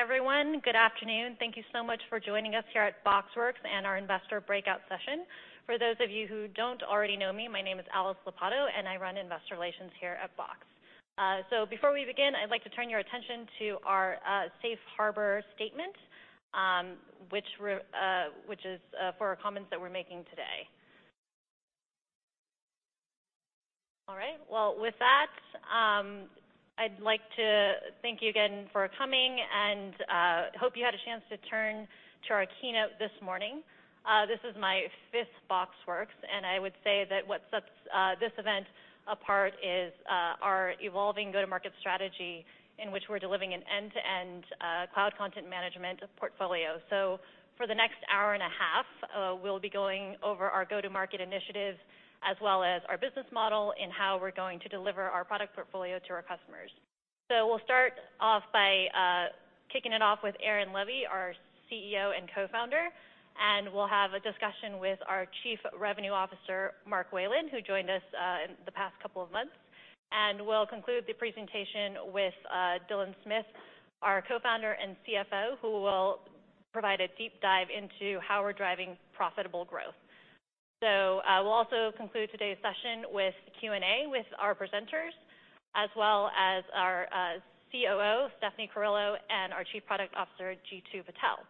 Hi, everyone. Good afternoon. Thank you so much for joining us here at BoxWorks and our investor breakout session. For those of you who don't already know me, my name is Alice Lopatto, and I run investor relations here at Box. Before we begin, I'd like to turn your attention to our safe harbor statement, which is for our comments that we're making today. All right. With that, I'd like to thank you again for coming, and hope you had a chance to turn to our keynote this morning. This is my fifth BoxWorks, and I would say that what sets this event apart is our evolving go-to-market strategy in which we're delivering an end-to-end cloud content management portfolio. For the next hour and a half, we'll be going over our go-to-market initiatives as well as our business model and how we're going to deliver our product portfolio to our customers. We'll start off by kicking it off with Aaron Levie, our CEO and co-founder, and we'll have a discussion with our Chief Revenue Officer, Mark Wayland, who joined us in the past couple of months. We'll conclude the presentation with Dylan Smith, our co-founder and CFO, who will provide a deep dive into how we're driving profitable growth. We'll also conclude today's session with Q&A with our presenters, as well as our COO, Stephanie Carullo, and our Chief Product Officer, Jeetu Patel.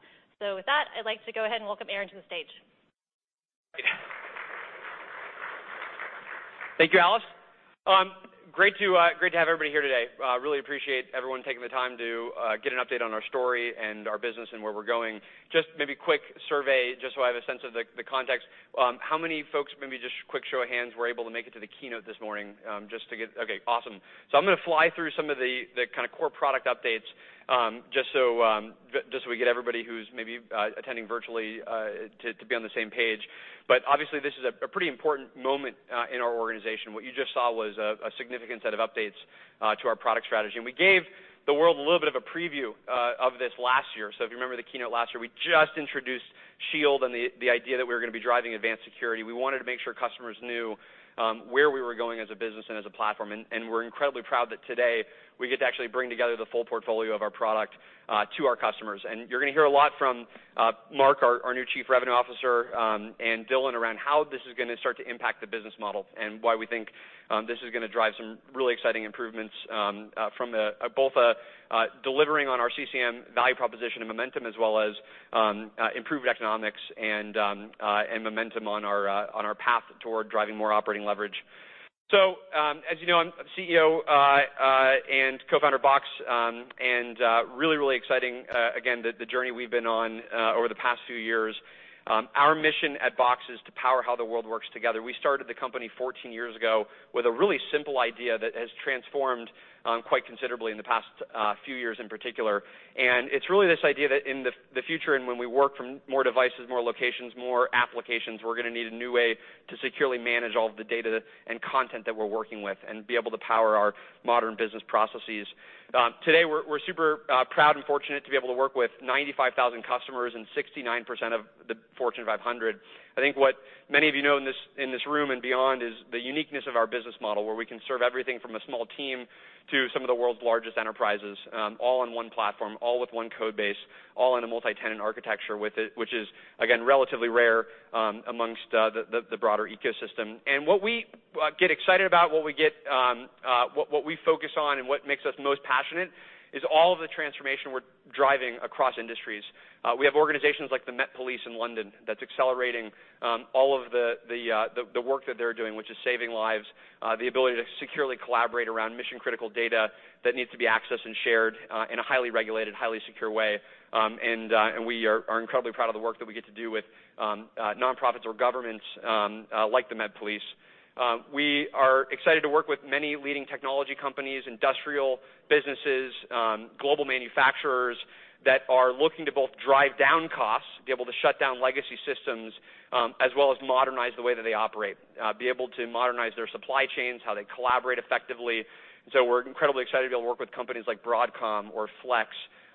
With that, I'd like to go ahead and welcome Aaron to the stage. Thank you, Alice. Great to have everybody here today. Really appreciate everyone taking the time to get an update on our story and our business and where we're going. Just maybe quick survey, just so I have a sense of the context, how many folks, maybe just a quick show of hands, were able to make it to the keynote this morning? Okay, awesome. I'm going to fly through some of the core product updates just so we get everybody who's maybe attending virtually to be on the same page. Obviously, this is a pretty important moment in our organization. What you just saw was a significant set of updates to our product strategy. We gave the world a little bit of a preview of this last year. If you remember the keynote last year, we just introduced Shield and the idea that we were going to be driving advanced security. We wanted to make sure customers knew where we were going as a business and as a platform. We're incredibly proud that today we get to actually bring together the full portfolio of our product to our customers. You're going to hear a lot from Mark, our new Chief Revenue Officer, and Dylan around how this is going to start to impact the business model and why we think this is going to drive some really exciting improvements from both delivering on our CCM value proposition and momentum, as well as improved economics and momentum on our path toward driving more operating leverage. As you know, I'm CEO and co-founder of Box, and really, really exciting, again, the journey we've been on over the past few years. Our mission at Box is to power how the world works together. We started the company 14 years ago with a really simple idea that has transformed quite considerably in the past few years in particular. It's really this idea that in the future, and when we work from more devices, more locations, more applications, we're going to need a new way to securely manage all of the data and content that we're working with and be able to power our modern business processes. Today, we're super proud and fortunate to be able to work with 95,000 customers and 69% of the Fortune 500. I think what many of you know in this room and beyond is the uniqueness of our business model, where we can serve everything from a small team to some of the world's largest enterprises, all on one platform, all with one code base, all in a multi-tenant architecture, which is, again, relatively rare amongst the broader ecosystem. What we get excited about, what we focus on, and what makes us most passionate is all of the transformation we're driving across industries. We have organizations like the Met Police in London that's accelerating all of the work that they're doing, which is saving lives, the ability to securely collaborate around mission-critical data that needs to be accessed and shared in a highly regulated, highly secure way. We are incredibly proud of the work that we get to do with nonprofits or governments like the Met Police. We are excited to work with many leading technology companies, industrial businesses, global manufacturers that are looking to both drive down costs, be able to shut down legacy systems, as well as modernize the way that they operate, be able to modernize their supply chains, how they collaborate effectively. We're incredibly excited to work with companies like Broadcom or Flex,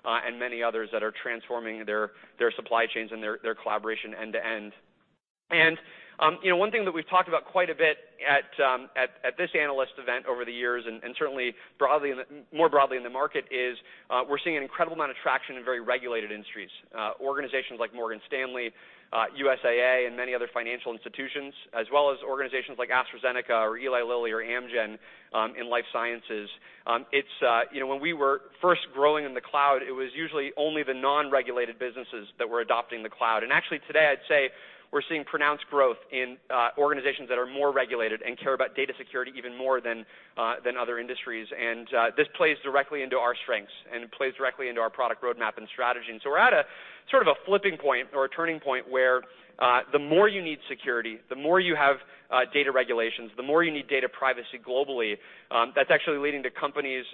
and many others that are transforming their supply chains and their collaboration end to end. One thing that we've talked about quite a bit at this analyst event over the years, and certainly more broadly in the market, is we're seeing an incredible amount of traction in very regulated industries. Organizations like Morgan Stanley, USAA, and many other financial institutions, as well as organizations like AstraZeneca or Eli Lilly or Amgen in life sciences. When we were first growing in the cloud, it was usually only the non-regulated businesses that were adopting the cloud. Actually today, I'd say we're seeing pronounced growth in organizations that are more regulated and care about data security even more than other industries. This plays directly into our strengths, and it plays directly into our product roadmap and strategy. So we're at a sort of a flipping point or a turning point where the more you need security, the more you have data regulations, the more you need data privacy globally. That's actually leading to companies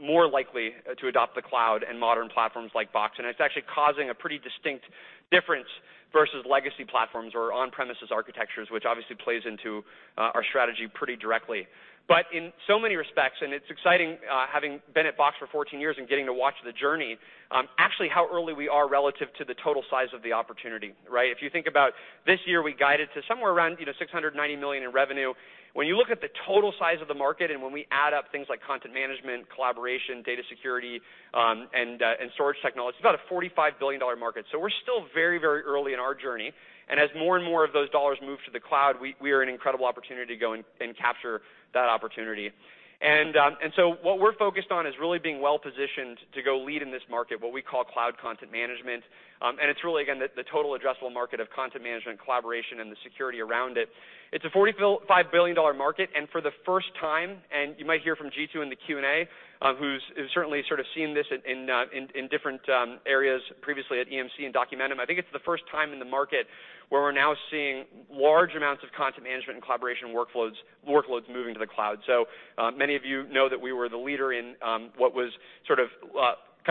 more likely to adopt the cloud and modern platforms like Box, and it's actually causing a pretty distinct difference versus legacy platforms or on-premises architectures, which obviously plays into our strategy pretty directly. In so many respects, and it's exciting having been at Box for 14 years and getting to watch the journey, actually how early we are relative to the total size of the opportunity. If you think about this year, we guided to somewhere around $690 million in revenue. When you look at the total size of the market and when we add up things like content management, collaboration, data security, and storage technology, it's about a $45 billion market. We're still very early in our journey. As more and more of those dollars move to the cloud, we are in an incredible opportunity to go and capture that opportunity. What we're focused on is really being well-positioned to go lead in this market, what we call cloud content management. It's really, again, the total addressable market of content management and collaboration and the security around it. It's a $45 billion market, and for the first time, and you might hear from Jeetu in the Q&A, who's certainly sort of seen this in different areas previously at EMC and Documentum. I think it's the first time in the market where we're now seeing large amounts of content management and collaboration workloads moving to the cloud. Many of you know that we were the leader in what was sort of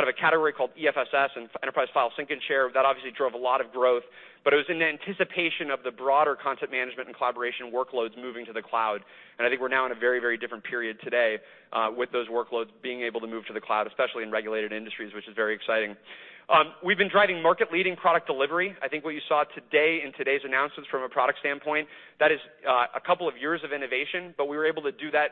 a category called EFSS, Enterprise File Sync and Share. That obviously drove a lot of growth, but it was in anticipation of the broader content management and collaboration workloads moving to the cloud. I think we're now in a very different period today with those workloads being able to move to the cloud, especially in regulated industries, which is very exciting. We've been driving market-leading product delivery. I think what you saw today in today's announcements from a product standpoint, that is a couple of years of innovation, but we were able to do that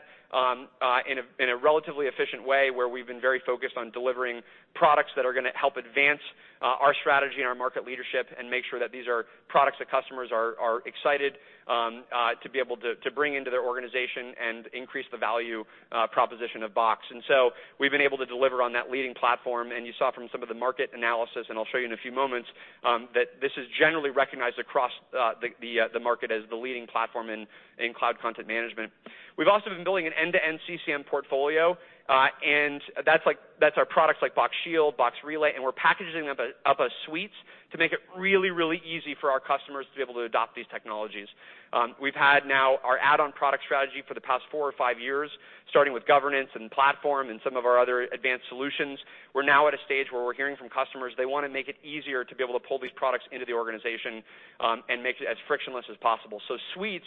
in a relatively efficient way, where we've been very focused on delivering products that are going to help advance our strategy and our market leadership and make sure that these are products that customers are excited to be able to bring into their organization and increase the value proposition of Box. We've been able to deliver on that leading platform, and you saw from some of the market analysis, and I'll show you in a few moments, that this is generally recognized across the market as the leading platform in cloud content management. We've also been building an end-to-end CCM portfolio, and that's our products like Box Shield, Box Relay, and we're packaging up a suites to make it really easy for our customers to be able to adopt these technologies. We've had now our add-on product strategy for the past four or five years, starting with governance and platform and some of our other advanced solutions. We're now at a stage where we're hearing from customers they want to make it easier to be able to pull these products into the organization, and make it as frictionless as possible. Suites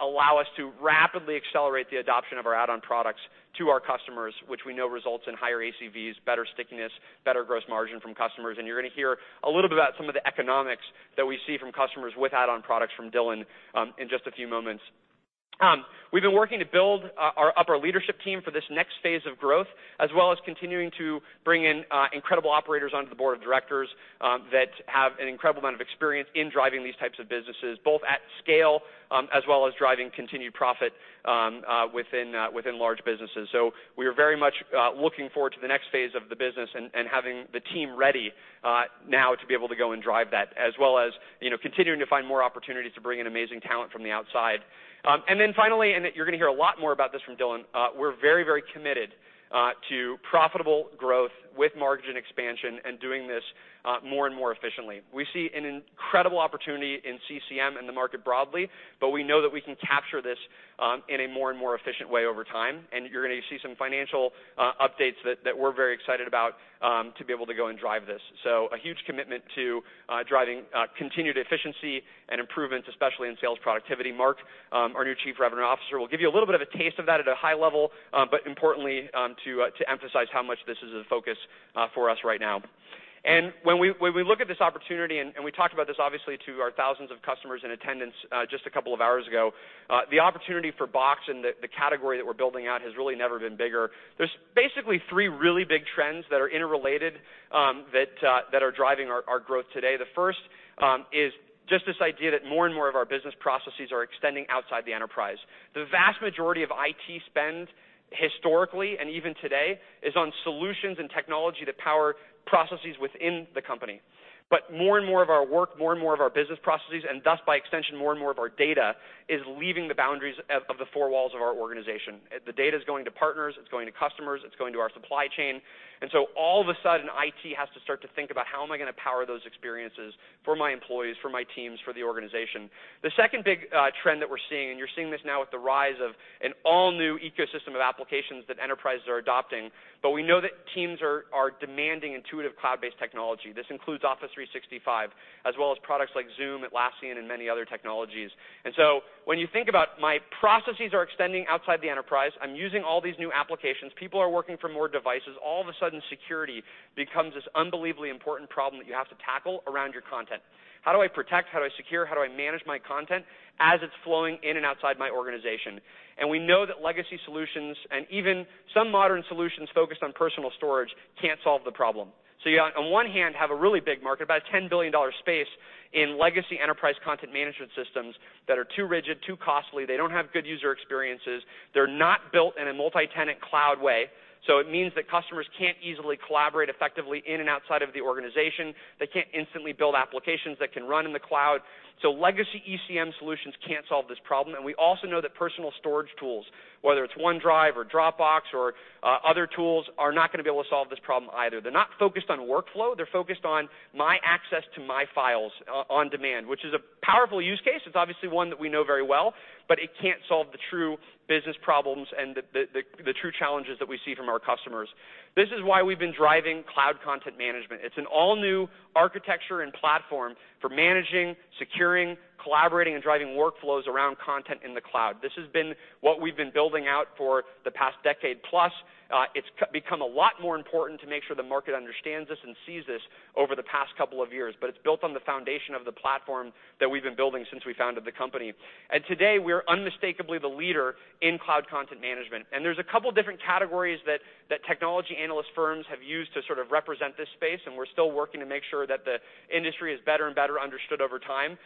allow us to rapidly accelerate the adoption of our add-on products to our customers, which we know results in higher ACVs, better stickiness, better gross margin from customers. You're going to hear a little bit about some of the economics that we see from customers with add-on products from Dylan in just a few moments. We've been working to build up our leadership team for this next phase of growth, as well as continuing to bring in incredible operators onto the board of directors that have an incredible amount of experience in driving these types of businesses, both at scale as well as driving continued profit within large businesses. We are very much looking forward to the next phase of the business and having the team ready now to be able to go and drive that, as well as continuing to find more opportunities to bring in amazing talent from the outside. Finally, you're going to hear a lot more about this from Dylan, we're very committed to profitable growth with margin expansion and doing this more and more efficiently. We see an incredible opportunity in CCM and the market broadly, but we know that we can capture this in a more and more efficient way over time, and you're going to see some financial updates that we're very excited about to be able to go and drive this. A huge commitment to driving continued efficiency and improvements, especially in sales productivity. Mark, our new Chief Revenue Officer, will give you a little bit of a taste of that at a high level, but importantly, to emphasize how much this is a focus for us right now. When we look at this opportunity, and we talked about this obviously to our thousands of customers in attendance just a couple of hours ago, the opportunity for Box and the category that we're building out has really never been bigger. There's basically three really big trends that are interrelated, that are driving our growth today. The first is just this idea that more and more of our business processes are extending outside the enterprise. The vast majority of IT spend historically, and even today, is on solutions and technology that power processes within the company. More and more of our work, more and more of our business processes, and thus by extension, more and more of our data, is leaving the boundaries of the four walls of our organization. The data's going to partners, it's going to customers, it's going to our supply chain. All of a sudden, IT has to start to think about how am I going to power those experiences for my employees, for my teams, for the organization? The second big trend that we're seeing, and you're seeing this now with the rise of an all-new ecosystem of applications that enterprises are adopting, but we know that teams are demanding intuitive cloud-based technology. This includes Office 365, as well as products like Zoom, Atlassian, and many other technologies. When you think about my processes are extending outside the enterprise, I'm using all these new applications, people are working from more devices, all of a sudden security becomes this unbelievably important problem that you have to tackle around your content. How do I protect, how do I secure, how do I manage my content as it's flowing in and outside my organization? We know that legacy solutions, and even some modern solutions focused on personal storage, can't solve the problem. You on one hand have a really big market, about a $10 billion space, in legacy enterprise content management systems that are too rigid, too costly. They don't have good user experiences. They're not built in a multi-tenant cloud way. It means that customers can't easily collaborate effectively in and outside of the organization. They can't instantly build applications that can run in the cloud. Legacy ECM solutions can't solve this problem, and we also know that personal storage tools, whether it's OneDrive or Dropbox or other tools, are not going to be able to solve this problem either. They're not focused on workflow. They're focused on my access to my files on demand, which is a powerful use case. It's obviously one that we know very well, but it can't solve the true business problems and the true challenges that we see from our customers. This is why we've been driving cloud content management. It's an all-new architecture and platform for managing, securing, collaborating, and driving workflows around content in the cloud. This has been what we've been building out for the past decade-plus. It's become a lot more important to make sure the market understands this and sees this over the past couple of years, but it's built on the foundation of the platform that we've been building since we founded the company. Today, we are unmistakably the leader in cloud content management. There's a couple different categories that technology analyst firms have used to sort of represent this space, and we're still working to make sure that the industry is better and better understood over time.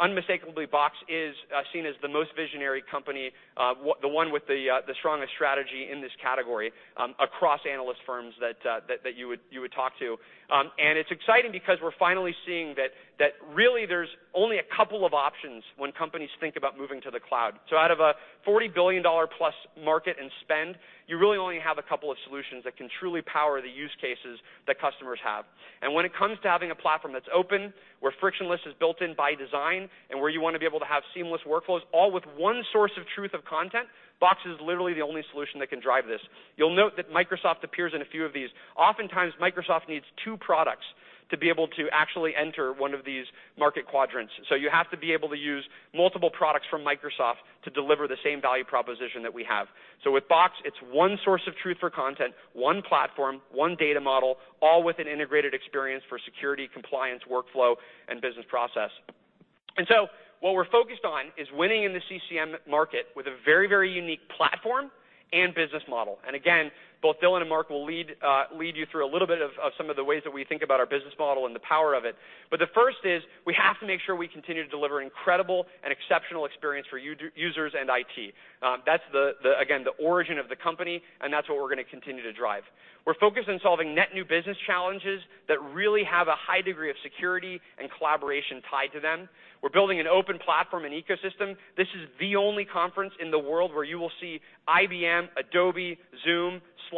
Unmistakably, Box is seen as the most visionary company, the one with the strongest strategy in this category, across analyst firms that you would talk to. It's exciting because we're finally seeing that really there's only a couple of options when companies think about moving to the cloud. Out of a $40 billion-plus market and spend, you really only have a couple of solutions that can truly power the use cases that customers have. When it comes to having a platform that's open, where frictionless is built in by design, and where you want to be able to have seamless workflows, all with one source of truth of content, Box is literally the only solution that can drive this. You'll note that Microsoft appears in a few of these. Oftentimes, Microsoft needs two products to be able to actually enter one of these market quadrants. You have to be able to use multiple products from Microsoft to deliver the same value proposition that we have. With Box, it's one source of truth for content, one platform, one data model, all with an integrated experience for security, compliance, workflow, and business process. What we're focused on is winning in the CCM market with a very, very unique platform and business model. Again, both Dylan and Mark will lead you through a little bit of some of the ways that we think about our business model and the power of it. The first is we have to make sure we continue to deliver incredible and exceptional experience for users and IT. That's, again, the origin of the company, and that's what we're going to continue to drive. We're focused on solving net new business challenges that really have a high degree of security and collaboration tied to them. We're building an open platform and ecosystem. This is the only conference in the world where you will see IBM, Adobe, Zoom, Slack,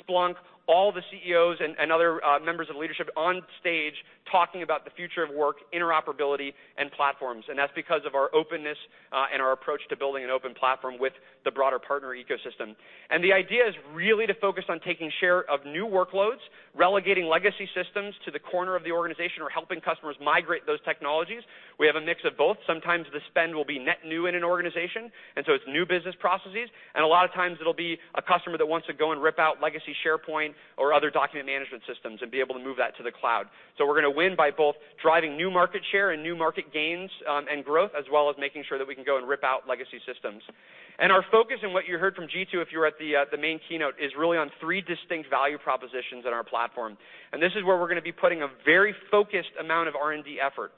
Splunk, all the CEOs and other members of leadership on stage talking about the future of work, interoperability, and platforms. That's because of our openness and our approach to building an open platform with the broader partner ecosystem. The idea is really to focus on taking share of new workloads, relegating legacy systems to the corner of the organization, or helping customers migrate those technologies. We have a mix of both. Sometimes the spend will be net new in an organization, and so it's new business processes. A lot of times it'll be a customer that wants to go and rip out legacy SharePoint or other document management systems and be able to move that to the cloud. We're going to win by both driving new market share and new market gains and growth, as well as making sure that we can go and rip out legacy systems. Our focus, and what you heard from Jeetu if you were at the main keynote, is really on three distinct value propositions in our platform. This is where we're going to be putting a very focused amount of R&D effort.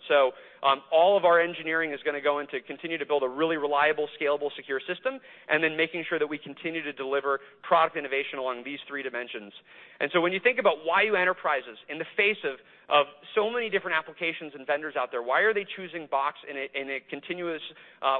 All of our engineering is going to go into continue to build a really reliable, scalable, secure system, and then making sure that we continue to deliver product innovation along these three dimensions. When you think about why you enterprises, in the face of so many different applications and vendors out there, why are they choosing Box in a continuous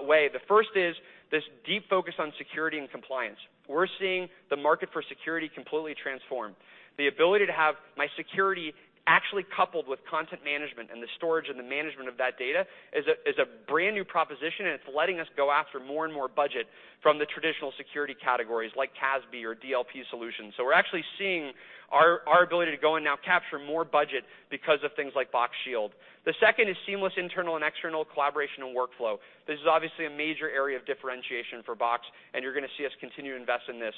way? The first is this deep focus on security and compliance. We're seeing the market for security completely transform. The ability to have my security actually coupled with content management and the storage and the management of that data is a brand new proposition, and it's letting us go after more and more budget from the traditional security categories like CASB or DLP solutions. We're actually seeing our ability to go and now capture more budget because of things like Box Shield. The second is seamless internal and external collaboration and workflow. This is obviously a major area of differentiation for Box, and you're going to see us continue to invest in this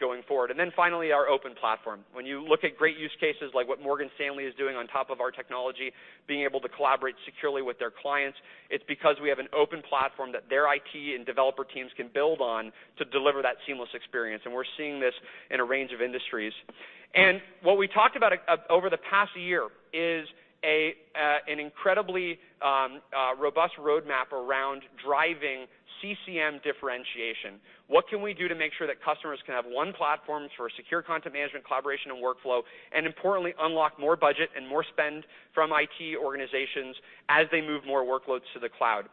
going forward. Finally, our open platform. When you look at great use cases like what Morgan Stanley is doing on top of our technology, being able to collaborate securely with their clients, it's because we have an open platform that their IT and developer teams can build on to deliver that seamless experience. We're seeing this in a range of industries. What we talked about over the past year is an incredibly robust roadmap around driving CCM differentiation. What can we do to make sure that customers can have one platform for secure content management, collaboration, and workflow, and importantly, unlock more budget and more spend from IT organizations as they move more workloads to the cloud?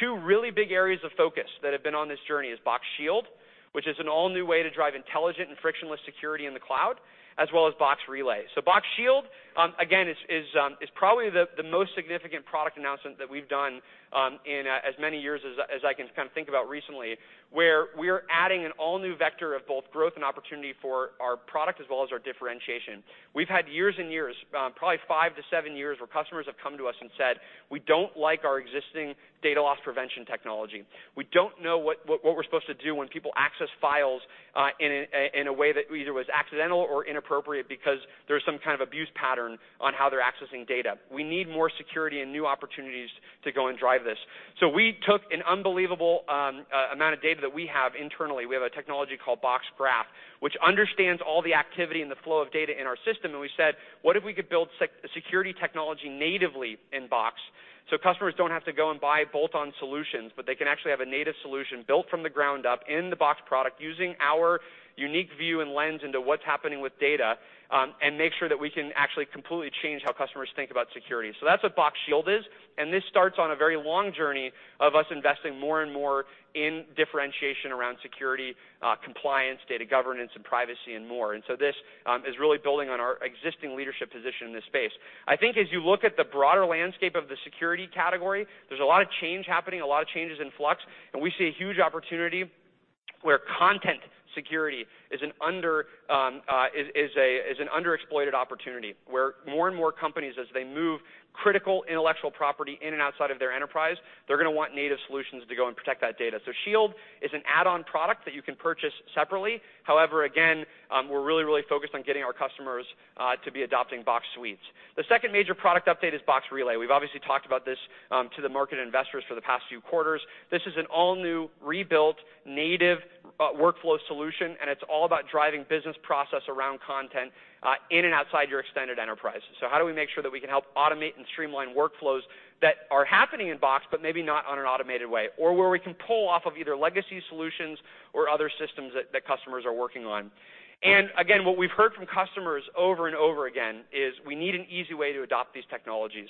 Two really big areas of focus that have been on this journey is Box Shield, which is an all-new way to drive intelligent and frictionless security in the cloud, as well as Box Relay. Box Shield, again, is probably the most significant product announcement that we've done in as many years as I can think about recently, where we're adding an all-new vector of both growth and opportunity for our product as well as our differentiation. We've had years and years, probably 5-7 years, where customers have come to us and said, "We don't like our existing data loss prevention technology. We don't know what we're supposed to do when people access files in a way that either was accidental or inappropriate because there's some kind of abuse pattern on how they're accessing data. We need more security and new opportunities to go and drive this." We took an unbelievable amount of data that we have internally. We have a technology called Box Graph, which understands all the activity and the flow of data in our system, and we said, "What if we could build security technology natively in Box so customers don't have to go and buy bolt-on solutions, but they can actually have a native solution built from the ground up in the Box product using our unique view and lens into what's happening with data, and make sure that we can actually completely change how customers think about security?" That's what Box Shield is, and this starts on a very long journey of us investing more and more in differentiation around security, compliance, data governance, and privacy, and more. This is really building on our existing leadership position in this space. I think as you look at the broader landscape of the security category, there's a lot of change happening, a lot of changes in flux, and we see a huge opportunity where content security is an underexploited opportunity, where more and more companies, as they move critical intellectual property in and outside of their enterprise, they're going to want native solutions to go and protect that data. Shield is an add-on product that you can purchase separately. However, again, we're really, really focused on getting our customers to be adopting Box Suites. The second major product update is Box Relay. We've obviously talked about this to the market investors for the past few quarters. This is an all-new, rebuilt, native workflow solution, and it's all about driving business process around content in and outside your extended enterprise. How do we make sure that we can help automate and streamline workflows that are happening in Box, but maybe not in an automated way, or where we can pull off of either legacy solutions or other systems that customers are working on. Again, what we've heard from customers over and over again is we need an easy way to adopt these technologies.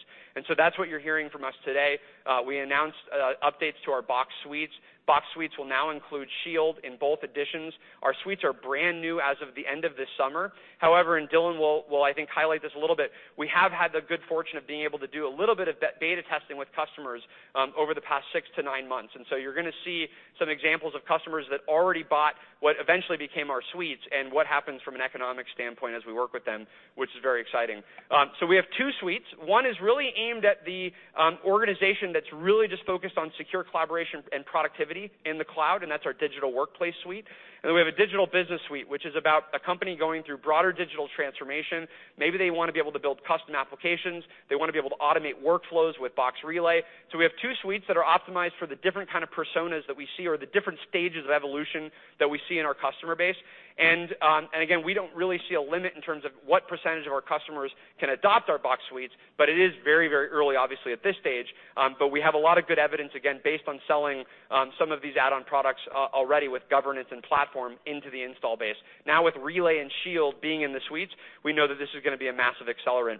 That's what you're hearing from us today. We announced updates to our Box Suites. Box Suites will now include Shield in both editions. Our Suites are brand new as of the end of this summer. However, Dylan will, I think, highlight this a little bit, we have had the good fortune of being able to do a little bit of beta testing with customers over the past six to nine months. You're going to see some examples of customers that already bought what eventually became our Suites and what happens from an economic standpoint as we work with them, which is very exciting. We have two Suites. One is really aimed at the organization that's really just focused on secure collaboration and productivity in the cloud, and that's our Digital Workplace Suite. Then we have a Digital Business Suite, which is about a company going through broader digital transformation. Maybe they want to be able to build custom applications. They want to be able to automate workflows with Box Relay. We have two Suites that are optimized for the different kind of personas that we see or the different stages of evolution that we see in our customer base. Again, we don't really see a limit in terms of what percentage of our customers can adopt our Box Suites, but it is very, very early, obviously, at this stage. We have a lot of good evidence, again, based on selling some of these add-on products already with governance and platform into the install base. With Relay and Shield being in the Suites, we know that this is going to be a massive accelerant.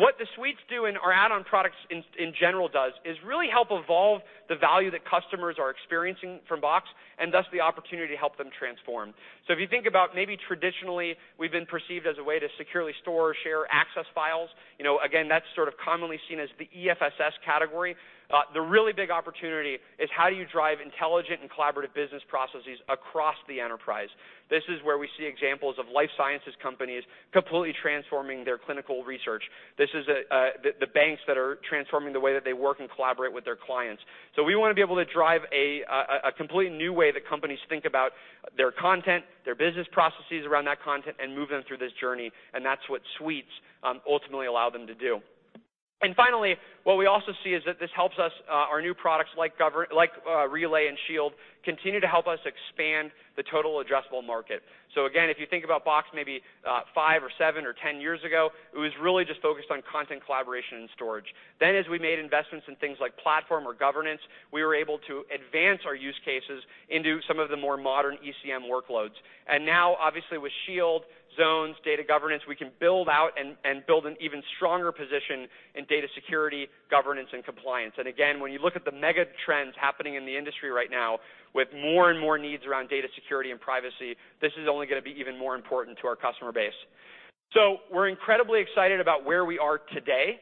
What the Suites do, and our add-on products in general does, is really help evolve the value that customers are experiencing from Box, and thus the opportunity to help them transform. If you think about maybe traditionally we've been perceived as a way to securely store, share, access files, again, that's sort of commonly seen as the EFSS category. The really big opportunity is how you drive intelligent and collaborative business processes across the enterprise. This is where we see examples of life sciences companies completely transforming their clinical research. This is the banks that are transforming the way that they work and collaborate with their clients. We want to be able to drive a completely new way that companies think about their content, their business processes around that content, and move them through this journey, and that's what Suites ultimately allow them to do. Finally, what we also see is that this helps us, our new products like Relay and Shield, continue to help us expand the total addressable market. Again, if you think about Box maybe five or seven or 10 years ago, it was really just focused on content collaboration and storage. As we made investments in things like platform or governance, we were able to advance our use cases into some of the more modern ECM workloads. Now, obviously, with Shield, Zones, Data Governance, we can build out and build an even stronger position in data security, governance, and compliance. Again, when you look at the mega trends happening in the industry right now, with more and more needs around data security and privacy, this is only going to be even more important to our customer base. We're incredibly excited about where we are today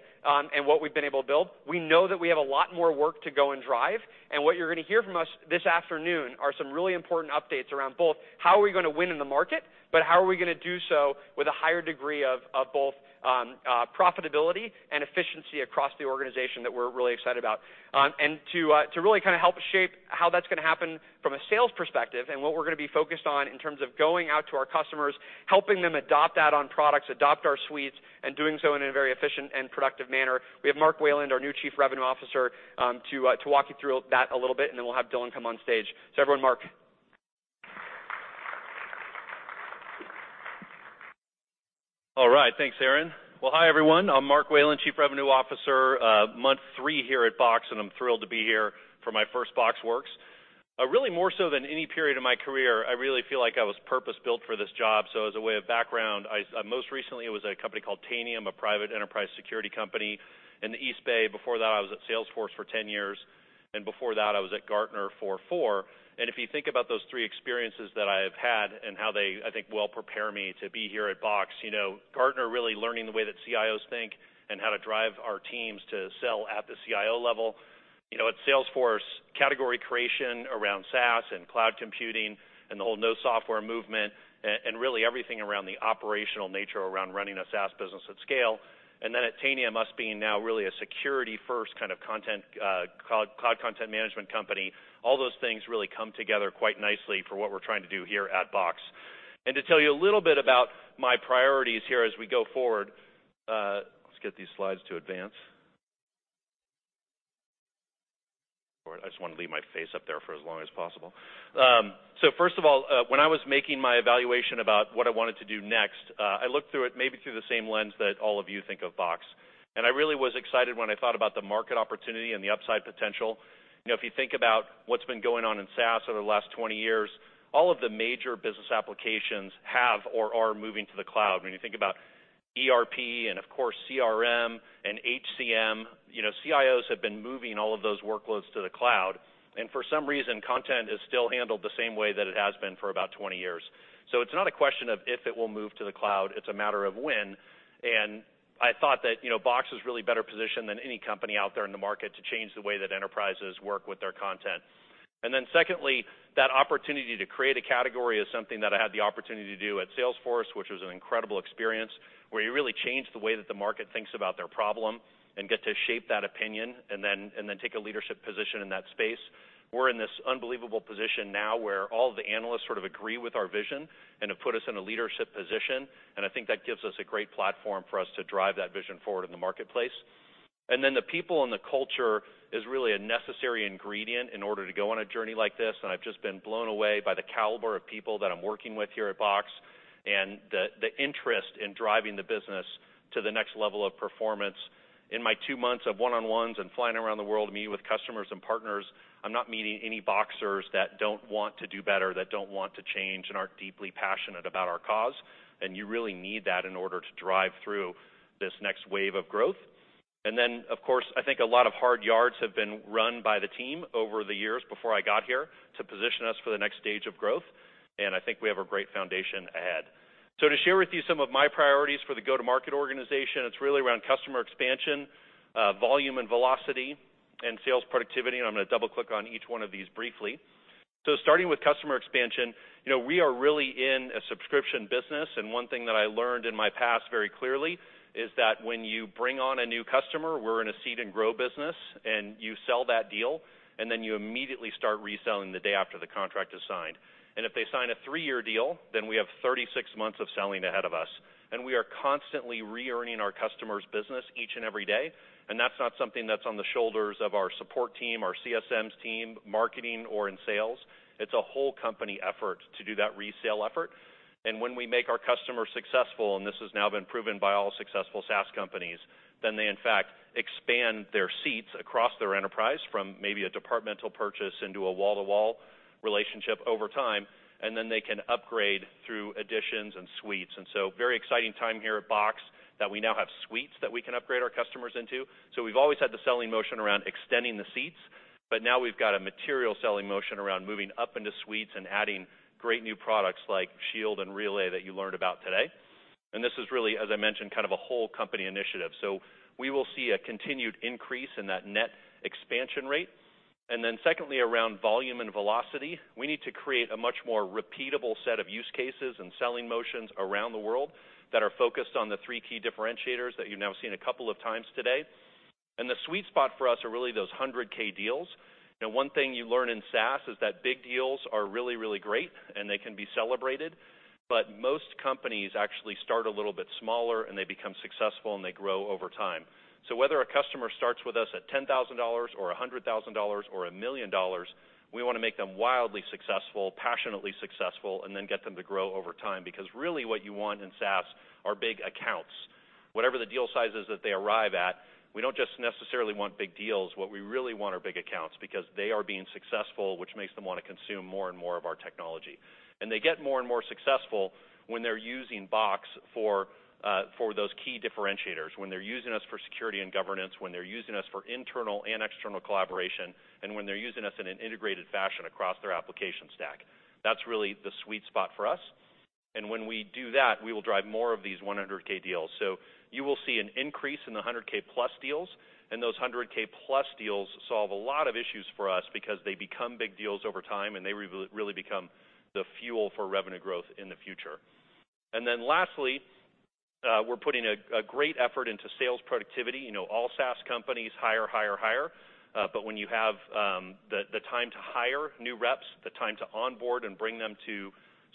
and what we've been able to build. We know that we have a lot more work to go and drive, and what you're going to hear from us this afternoon are some really important updates around both how are we going to win in the market, but how are we going to do so with a higher degree of both profitability and efficiency across the organization that we're really excited about. To really help shape how that's going to happen from a sales perspective and what we're going to be focused on in terms of going out to our customers, helping them adopt add-on products, adopt our Suites, and doing so in a very efficient and productive manner, we have Mark Wayland, our new Chief Revenue Officer, to walk you through that a little bit, and then we'll have Dylan come on stage. Everyone, Mark Hi. Thanks, Aaron. Well, hi, everyone. I'm Mark Wayland, Chief Revenue Officer, month three here at Box, and I'm thrilled to be here for my first BoxWorks. Really more so than any period of my career, I really feel like I was purpose-built for this job. As a way of background, most recently, it was at a company called Tanium, a private enterprise security company in the East Bay. Before that, I was at Salesforce for 10 years, and before that, I was at Gartner for four. If you think about those three experiences that I have had and how they, I think, well prepare me to be here at Box, Gartner, really learning the way that CIOs think and how to drive our teams to sell at the CIO level. At Salesforce, category creation around SaaS and cloud computing and the whole no software movement, really everything around the operational nature around running a SaaS business at scale. At Tanium, us being now really a security-first kind of cloud content management company. All those things really come together quite nicely for what we're trying to do here at Box. To tell you a little bit about my priorities here as we go forward. Let's get these slides to advance. I just want to leave my face up there for as long as possible. First of all, when I was making my evaluation about what I wanted to do next, I looked through it maybe through the same lens that all of you think of Box, and I really was excited when I thought about the market opportunity and the upside potential. If you think about what's been going on in SaaS over the last 20 years, all of the major business applications have or are moving to the cloud. When you think about ERP and of course, CRM and HCM, CIOs have been moving all of those workloads to the cloud. For some reason, content is still handled the same way that it has been for about 20 years. It's not a question of if it will move to the cloud, it's a matter of when. I thought that Box is really better positioned than any company out there in the market to change the way that enterprises work with their content. Secondly, that opportunity to create a category is something that I had the opportunity to do at Salesforce, which was an incredible experience, where you really change the way that the market thinks about their problem and get to shape that opinion, and then take a leadership position in that space. We're in this unbelievable position now where all of the analysts sort of agree with our vision and have put us in a leadership position, and I think that gives us a great platform for us to drive that vision forward in the marketplace. The people and the culture is really a necessary ingredient in order to go on a journey like this. I've just been blown away by the caliber of people that I'm working with here at Box, and the interest in driving the business to the next level of performance. In my two months of one-on-ones and flying around the world meeting with customers and partners, I'm not meeting any Boxers that don't want to do better, that don't want to change, and aren't deeply passionate about our cause, and you really need that in order to drive through this next wave of growth. Then, of course, I think a lot of hard yards have been run by the team over the years before I got here to position us for the next stage of growth, and I think we have a great foundation ahead. To share with you some of my priorities for the go-to-market organization, it's really around customer expansion, volume and velocity, and sales productivity, and I'm going to double-click on each one of these briefly. Starting with customer expansion, we are really in a subscription business, and one thing that I learned in my past very clearly is that when you bring on a new customer, we're in a seed and grow business, and you sell that deal, and then you immediately start reselling the day after the contract is signed. If they sign a three-year deal, then we have 36 months of selling ahead of us, and we are constantly re-earning our customers' business each and every day. That's not something that's on the shoulders of our support team, our CSMs team, marketing, or in sales. It's a whole company effort to do that resale effort. When we make our customers successful, and this has now been proven by all successful SaaS companies, then they in fact expand their seats across their enterprise from maybe a departmental purchase into a wall-to-wall relationship over time, and then they can upgrade through additions and suites. Very exciting time here at Box that we now have suites that we can upgrade our customers into. We've always had the selling motion around extending the seats, but now we've got a material selling motion around moving up into suites and adding great new products like Shield and Relay that you learned about today. This is really, as I mentioned, kind of a whole company initiative. We will see a continued increase in that net expansion rate. Secondly, around volume and velocity, we need to create a much more repeatable set of use cases and selling motions around the world that are focused on the three key differentiators that you've now seen a couple of times today. The sweet spot for us are really those 100K deals. One thing you learn in SaaS is that big deals are really, really great and they can be celebrated. Most companies actually start a little bit smaller, and they become successful, and they grow over time. Whether a customer starts with us at $10,000 or $100,000 or $1 million, we want to make them wildly successful, passionately successful, and then get them to grow over time, because really what you want in SaaS are big accounts. Whatever the deal size is that they arrive at, we don't just necessarily want big deals. What we really want are big accounts because they are being successful, which makes them want to consume more and more of our technology. They get more and more successful when they're using Box for those key differentiators, when they're using us for security and governance, when they're using us for internal and external collaboration, and when they're using us in an integrated fashion across their application stack. That's really the sweet spot for us. When we do that, we will drive more of these 100K deals. You will see an increase in the 100K plus deals, and those 100K plus deals solve a lot of issues for us because they become big deals over time, and they really become the fuel for revenue growth in the future. Lastly, we're putting a great effort into sales productivity. All SaaS companies hire, hire. When you have the time to hire new reps, the time to onboard and bring them to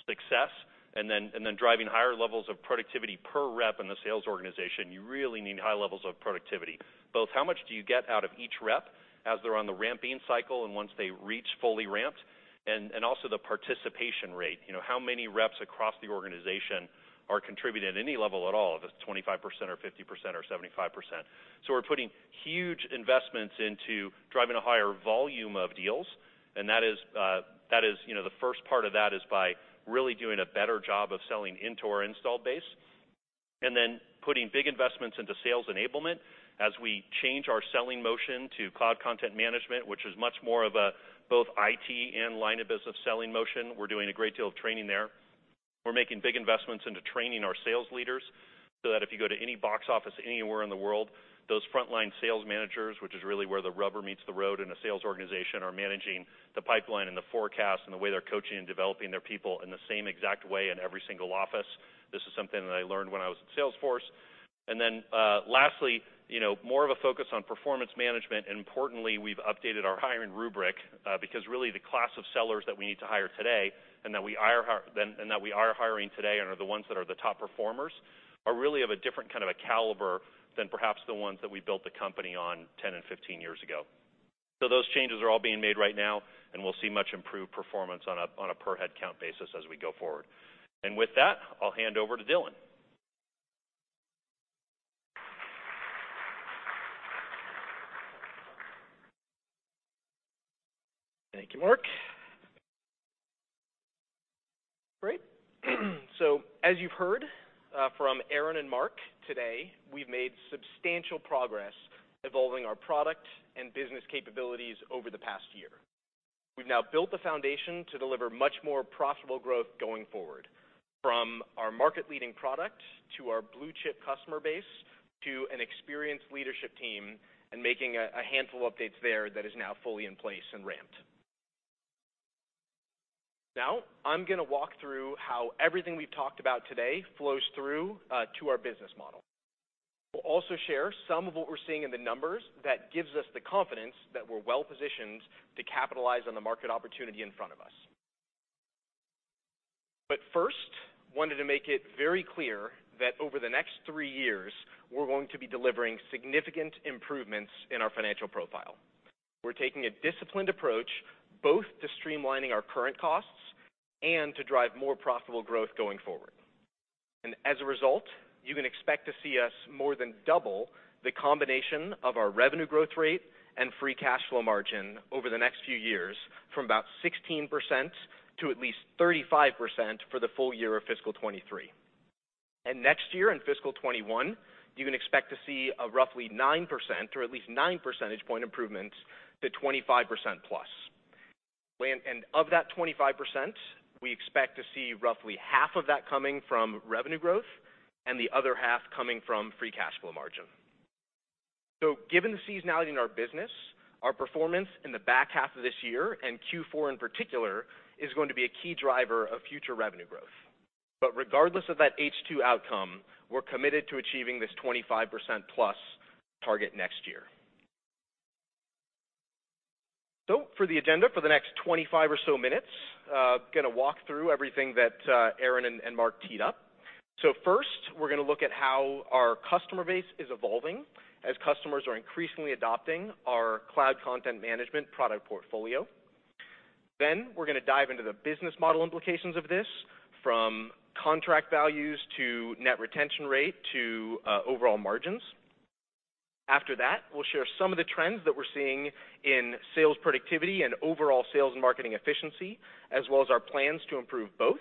success, and then driving higher levels of productivity per rep in the sales organization, you really need high levels of productivity. Both how much do you get out of each rep as they're on the ramping cycle and once they reach fully ramped? Also the participation rate. How many reps across the organization are contributing at any level at all, if it's 25% or 50% or 75%. We're putting huge investments into driving a higher volume of deals, and the first part of that is by really doing a better job of selling into our install base, and then putting big investments into sales enablement as we change our selling motion to cloud content management, which is much more of a both IT and line of business selling motion. We're doing a great deal of training there. We're making big investments into training our sales leaders so that if you go to any Box office anywhere in the world, those frontline sales managers, which is really where the rubber meets the road in a sales organization, are managing the pipeline and the forecast and the way they're coaching and developing their people in the same exact way in every single office. This is something that I learned when I was at Salesforce. Lastly, more of a focus on performance management, and importantly, we've updated our hiring rubric, because really the class of sellers that we need to hire today and that we are hiring today, and are the ones that are the top performers, are really of a different kind of a caliber than perhaps the ones that we built the company on 10 and 15 years ago. Those changes are all being made right now, and we'll see much improved performance on a per-headcount basis as we go forward. With that, I'll hand over to Dylan. Thank you, Mark. Great. As you've heard from Aaron and Mark today, we've made substantial progress evolving our product and business capabilities over the past year. We've now built the foundation to deliver much more profitable growth going forward, from our market-leading product to our blue-chip customer base, to an experienced leadership team, and making a handful of updates there that is now fully in place and ramped. I'm going to walk through how everything we've talked about today flows through to our business model. We'll also share some of what we're seeing in the numbers that gives us the confidence that we're well-positioned to capitalize on the market opportunity in front of us. First, wanted to make it very clear that over the next three years, we're going to be delivering significant improvements in our financial profile. We're taking a disciplined approach both to streamlining our current costs and to drive more profitable growth going forward. As a result, you can expect to see us more than double the combination of our revenue growth rate and free cash flow margin over the next few years, from about 16% to at least 35% for the full year of fiscal 2023. Next year, in fiscal 2021, you can expect to see a roughly 9%, or at least nine percentage point improvements to 25%+. Of that 25%, we expect to see roughly half of that coming from revenue growth and the other half coming from free cash flow margin. Given the seasonality in our business, our performance in the back half of this year, and Q4 in particular, is going to be a key driver of future revenue growth. Regardless of that H2 outcome, we're committed to achieving this 25% plus target next year. For the agenda for the next 25 or so minutes, going to walk through everything that Aaron and Mark teed up. First, we're going to look at how our customer base is evolving as customers are increasingly adopting our cloud content management product portfolio. We're going to dive into the business model implications of this, from contract values to net retention rate to overall margins. After that, we'll share some of the trends that we're seeing in sales productivity and overall sales and marketing efficiency, as well as our plans to improve both.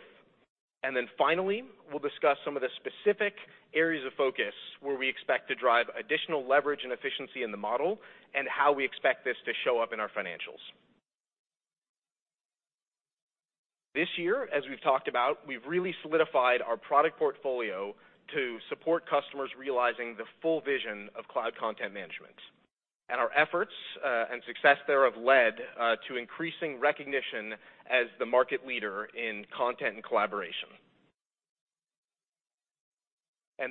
Finally, we'll discuss some of the specific areas of focus where we expect to drive additional leverage and efficiency in the model, and how we expect this to show up in our financials. This year, as we've talked about, we've really solidified our product portfolio to support customers realizing the full vision of cloud content management. Our efforts and success there have led to increasing recognition as the market leader in content and collaboration.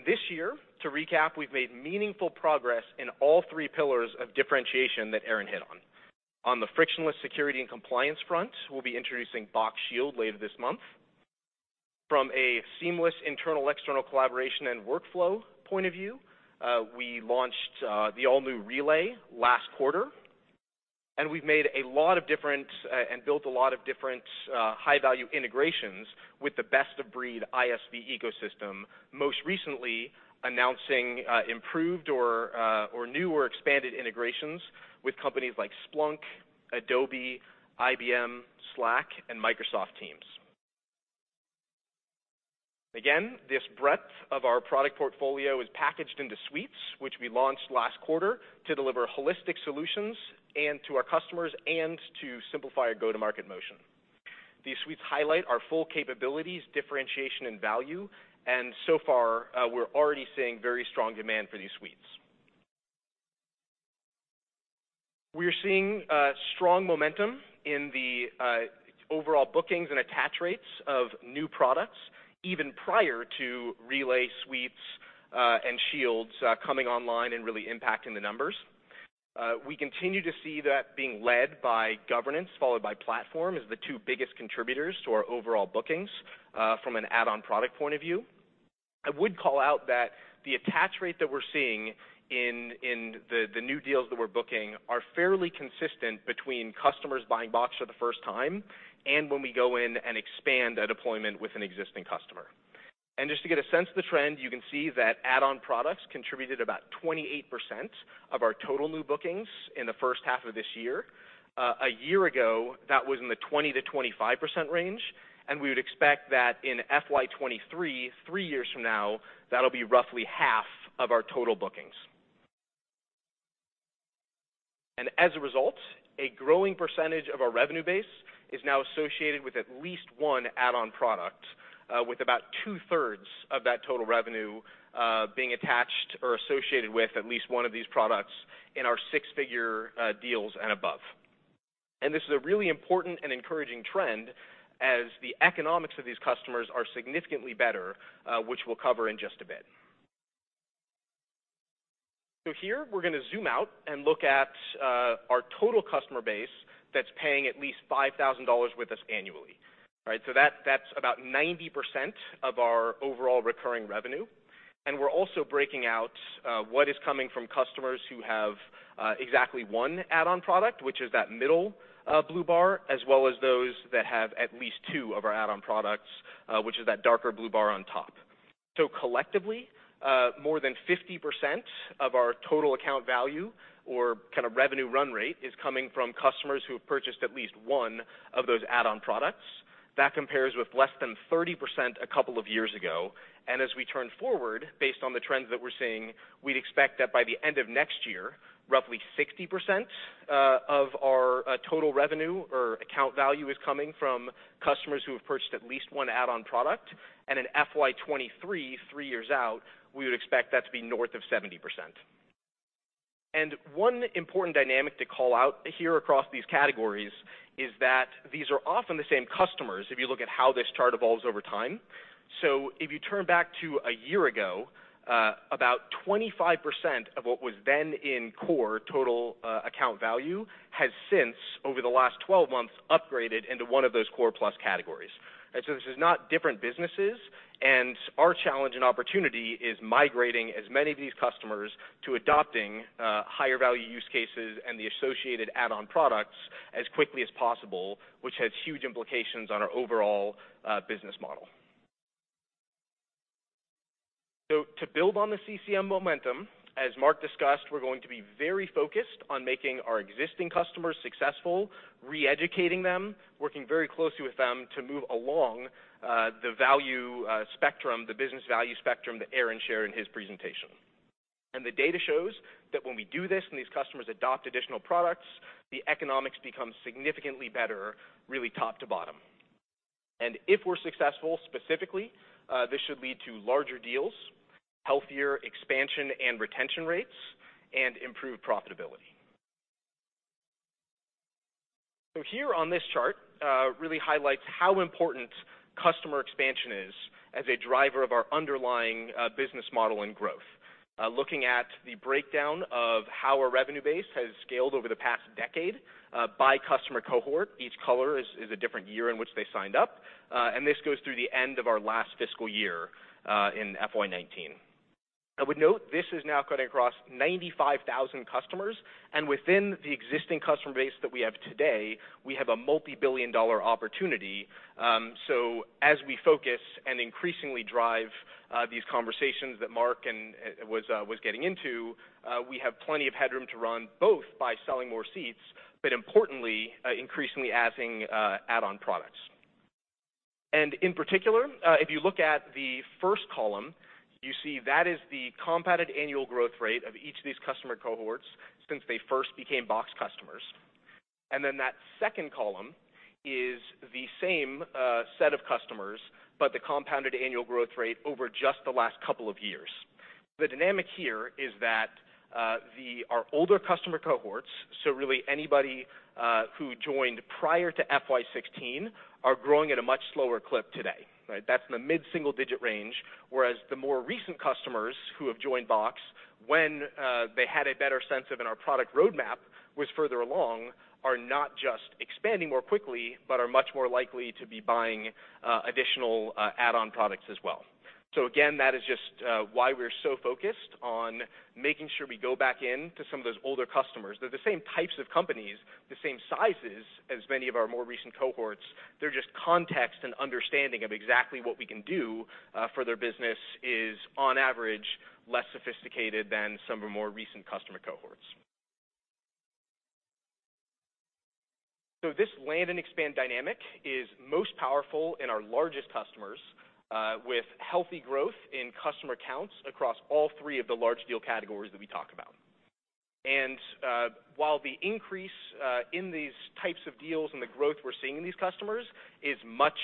This year, to recap, we've made meaningful progress in all three pillars of differentiation that Aaron hit on. On the frictionless security and compliance front, we'll be introducing Box Shield later this month. From a seamless internal-external collaboration and workflow point of view, we launched the all-new Relay last quarter, and built a lot of different high-value integrations with the best-of-breed ISV ecosystem, most recently announcing improved or new or expanded integrations with companies like Splunk, Adobe, IBM, Slack, and Microsoft Teams. This breadth of our product portfolio is packaged into Suites, which we launched last quarter to deliver holistic solutions and to our customers and to simplify our go-to-market motion. These Suites highlight our full capabilities, differentiation, and value, so far, we're already seeing very strong demand for these Suites. We're seeing strong momentum in the overall bookings and attach rates of new products, even prior to Relay, Suites, and Shields coming online and really impacting the numbers. We continue to see that being led by governance, followed by Platform as the two biggest contributors to our overall bookings from an add-on product point of view. I would call out that the attach rate that we're seeing in the new deals that we're booking are fairly consistent between customers buying Box for the first time and when we go in and expand a deployment with an existing customer. Just to get a sense of the trend, you can see that add-on products contributed about 28% of our total new bookings in the first half of this year. A year ago, that was in the 20%-25% range. We would expect that in FY 2023, three years from now, that'll be roughly half of our total bookings. As a result, a growing percentage of our revenue base is now associated with at least one add-on product, with about two-thirds of that total revenue being attached or associated with at least one of these products in our six-figure deals and above. This is a really important and encouraging trend as the economics of these customers are significantly better, which we'll cover in just a bit. Here we're going to zoom out and look at our total customer base that's paying at least $5,000 with us annually. That's about 90% of our overall recurring revenue. We're also breaking out what is coming from customers who have exactly one add-on product, which is that middle blue bar, as well as those that have at least two of our add-on products, which is that darker blue bar on top. Collectively, more than 50% of our total account value or kind of revenue run rate is coming from customers who have purchased at least one of those add-on products. That compares with less than 30% a couple of years ago. As we turn forward, based on the trends that we're seeing, we'd expect that by the end of next year, roughly 60% of our total revenue or account value is coming from customers who have purchased at least one add-on product. In FY 2023, three years out, we would expect that to be north of 70%. One important dynamic to call out here across these categories is that these are often the same customers if you look at how this chart evolves over time. If you turn back to a year ago, about 25% of what was then in core total account value has since, over the last 12 months, upgraded into one of those core plus categories. This is not different businesses, and our challenge and opportunity is migrating as many of these customers to adopting higher value use cases and the associated add-on products as quickly as possible, which has huge implications on our overall business model. To build on the CCM momentum, as Mark discussed, we're going to be very focused on making our existing customers successful, re-educating them, working very closely with them to move along the value spectrum, the business value spectrum that Aaron shared in his presentation. The data shows that when we do this, and these customers adopt additional products, the economics become significantly better, really top to bottom. If we're successful, specifically, this should lead to larger deals, healthier expansion and retention rates, and improved profitability. Here on this chart really highlights how important customer expansion is as a driver of our underlying business model and growth. Looking at the breakdown of how our revenue base has scaled over the past decade by customer cohort, each color is a different year in which they signed up, and this goes through the end of our last fiscal year in FY 2019. I would note this is now cutting across 95,000 customers, and within the existing customer base that we have today, we have a multi-billion dollar opportunity. As we focus and increasingly drive these conversations that Mark was getting into, we have plenty of headroom to run, both by selling more seats, but importantly, increasingly adding add-on products. In particular, if you look at the first column, you see that is the compounded annual growth rate of each of these customer cohorts since they first became Box customers. Then that second column is the same set of customers, but the compounded annual growth rate over just the last couple of years. The dynamic here is that our older customer cohorts, so really anybody who joined prior to FY 2016, are growing at a much slower clip today. That's in the mid-single digit range, whereas the more recent customers who have joined Box, when they had a better sense of and our product roadmap was further along, are not just expanding more quickly, but are much more likely to be buying additional add-on products as well. Again, that is just why we're so focused on making sure we go back in to some of those older customers. They're the same types of companies, the same sizes as many of our more recent cohorts. Their just context and understanding of exactly what we can do for their business is, on average, less sophisticated than some of our more recent customer cohorts. This land and expand dynamic is most powerful in our largest customers, with healthy growth in customer counts across all 3 of the large deal categories that we talk about. While the increase in these types of deals and the growth we're seeing in these customers is much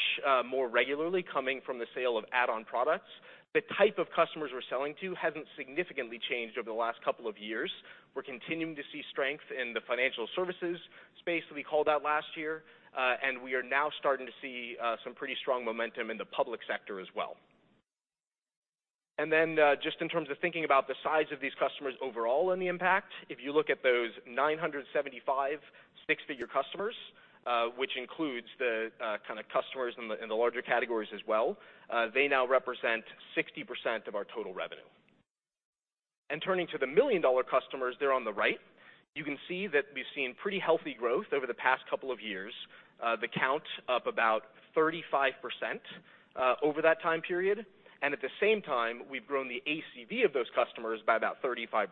more regularly coming from the sale of add-on products, the type of customers we're selling to hasn't significantly changed over the last couple of years. We're continuing to see strength in the financial services space that we called out last year, and we are now starting to see some pretty strong momentum in the public sector as well. Just in terms of thinking about the size of these customers overall and the impact, if you look at those 975 six-figure customers, which includes the kind of customers in the larger categories as well. They now represent 60% of our total revenue. Turning to the million-dollar customers there on the right, you can see that we've seen pretty healthy growth over the past couple of years. The count up about 35% over that time period. At the same time, we've grown the ACV of those customers by about 35%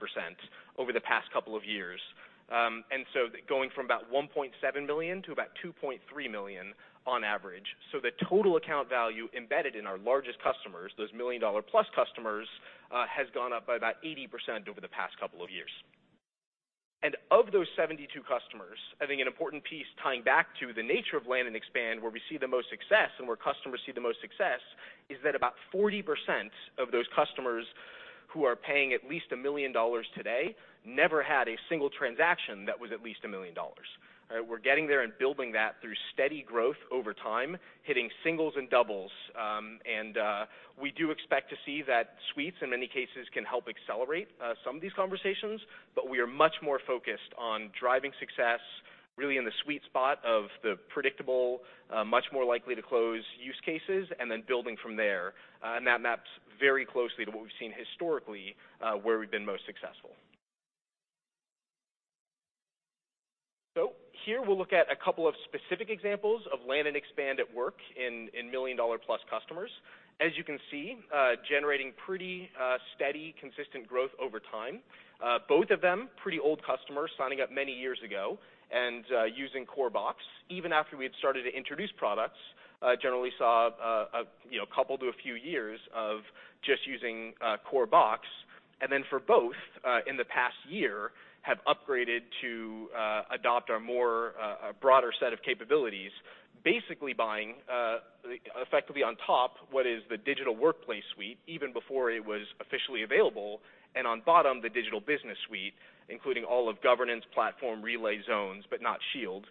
over the past couple of years. Going from about $1.7 million to about $2.3 million on average. The total account value embedded in our largest customers, those $1 million-plus customers, has gone up by about 80% over the past couple of years. Of those 72 customers, I think an important piece tying back to the nature of land and expand, where we see the most success and where customers see the most success, is that about 40% of those customers who are paying at least $1 million today never had a single transaction that was at least $1 million. We're getting there and building that through steady growth over time, hitting singles and doubles. We do expect to see that suites, in many cases, can help accelerate some of these conversations. We are much more focused on driving success, really in the sweet spot of the predictable, much more likely to close use cases, and then building from there. That maps very closely to what we've seen historically, where we've been most successful. Here we'll look at a couple of specific examples of land and expand at work in million-dollar-plus customers. As you can see, generating pretty steady, consistent growth over time. Both of them pretty old customers, signing up many years ago and using Core Box. Even after we had started to introduce products, generally saw a couple to a few years of just using Core Box. Then for both, in the past year, have upgraded to adopt our broader set of capabilities, basically buying, effectively on top, what is the Digital Workplace Suite even before it was officially available, and on bottom, the Digital Business Suite, including all of governance, Platform, Relay, Zones, but not Shield,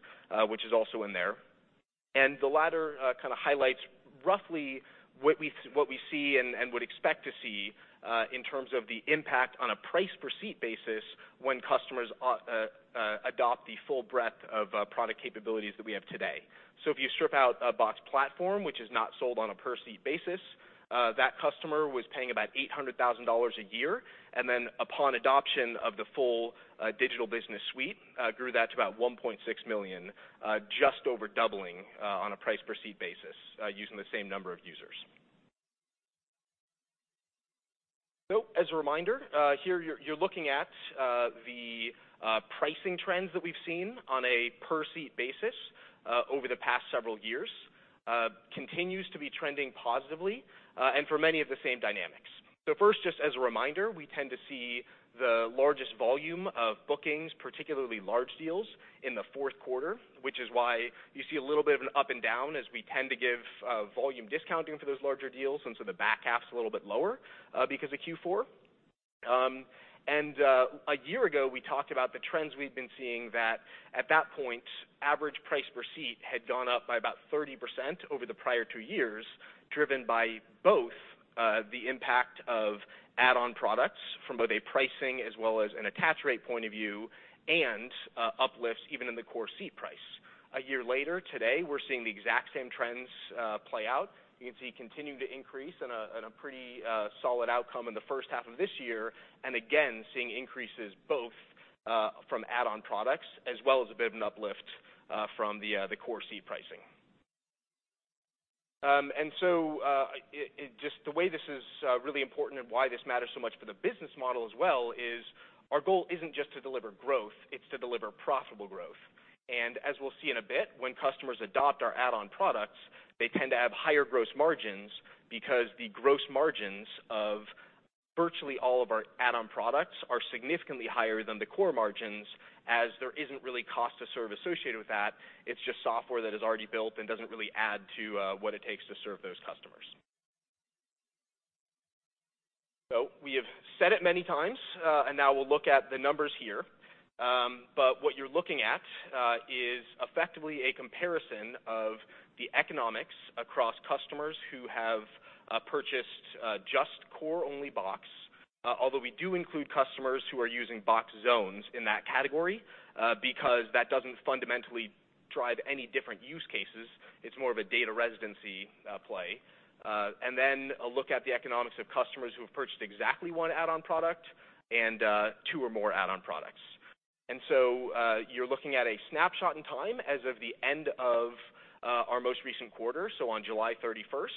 which is also in there. The latter kind of highlights roughly what we see and would expect to see in terms of the impact on a price per seat basis when customers adopt the full breadth of product capabilities that we have today. If you strip out a Box Platform, which is not sold on a per seat basis, that customer was paying about $800,000 a year. Then upon adoption of the full Digital Business Suite, grew that to about $1.6 million, just over doubling on a price per seat basis using the same number of users. As a reminder, here you're looking at the pricing trends that we've seen on a per seat basis over the past several years. Continues to be trending positively and for many of the same dynamics. First, just as a reminder, we tend to see the largest volume of bookings, particularly large deals, in the fourth quarter, which is why you see a little bit of an up and down as we tend to give volume discounting for those larger deals. The back half's a little bit lower because of Q4. A year ago, we talked about the trends we've been seeing that at that point, average price per seat had gone up by about 30% over the prior two years, driven by both the impact of add-on products from both a pricing as well as an attach rate point of view, and uplifts even in the core seat price. A year later, today, we're seeing the exact same trends play out. You can see continuing to increase in a pretty solid outcome in the first half of this year. Again, seeing increases both from add-on products as well as a bit of an uplift from the core seat pricing. Just the way this is really important and why this matters so much for the business model as well is our goal isn't just to deliver growth, it's to deliver profitable growth. As we'll see in a bit, when customers adopt our add-on products, they tend to have higher gross margins because the gross margins of virtually all of our add-on products are significantly higher than the core margins, as there isn't really cost to serve associated with that. It's just software that is already built and doesn't really add to what it takes to serve those customers. We have said it many times, and now we'll look at the numbers here. What you're looking at is effectively a comparison of the economics across customers who have purchased just core-only Box. Although we do include customers who are using Box Zones in that category, because that doesn't fundamentally drive any different use cases. It's more of a data residency play. Then a look at the economics of customers who have purchased exactly one add-on product and two or more add-on products. So you're looking at a snapshot in time as of the end of our most recent quarter, so on July 31st.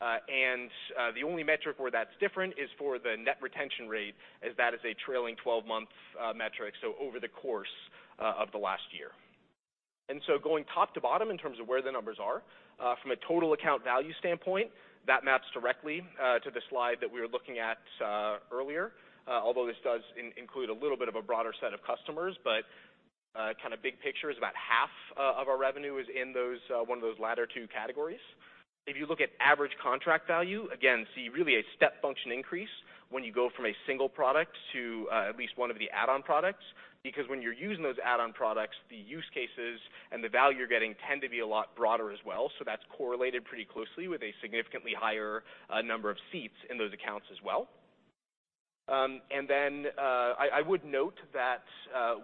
The only metric where that's different is for the net retention rate, as that is a trailing 12-month metric, so over the course of the last year. Going top to bottom in terms of where the numbers are, from a total account value standpoint, that maps directly to the slide that we were looking at earlier. This does include a little bit of a broader set of customers, but kind of big picture is about half of our revenue is in one of those latter two categories. If you look at average contract value, again, see really a step function increase when you go from a single product to at least one of the add-on products. When you're using those add-on products, the use cases and the value you're getting tend to be a lot broader as well. That's correlated pretty closely with a significantly higher number of seats in those accounts as well. Then I would note that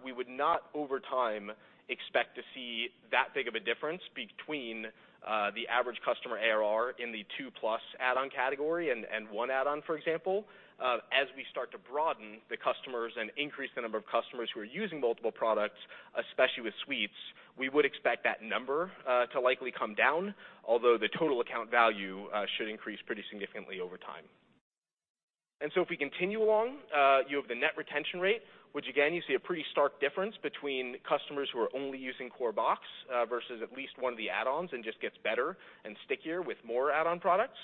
we would not, over time, expect to see that big of a difference between the average customer ARR in the 2-plus add-on category and one add-on, for example. As we start to broaden the customers and increase the number of customers who are using multiple products, especially with suites, we would expect that number to likely come down, although the total account value should increase pretty significantly over time. If we continue along, you have the net retention rate, which again, you see a pretty stark difference between customers who are only using core Box versus at least one of the add-ons, and just gets better and stickier with more add-on products.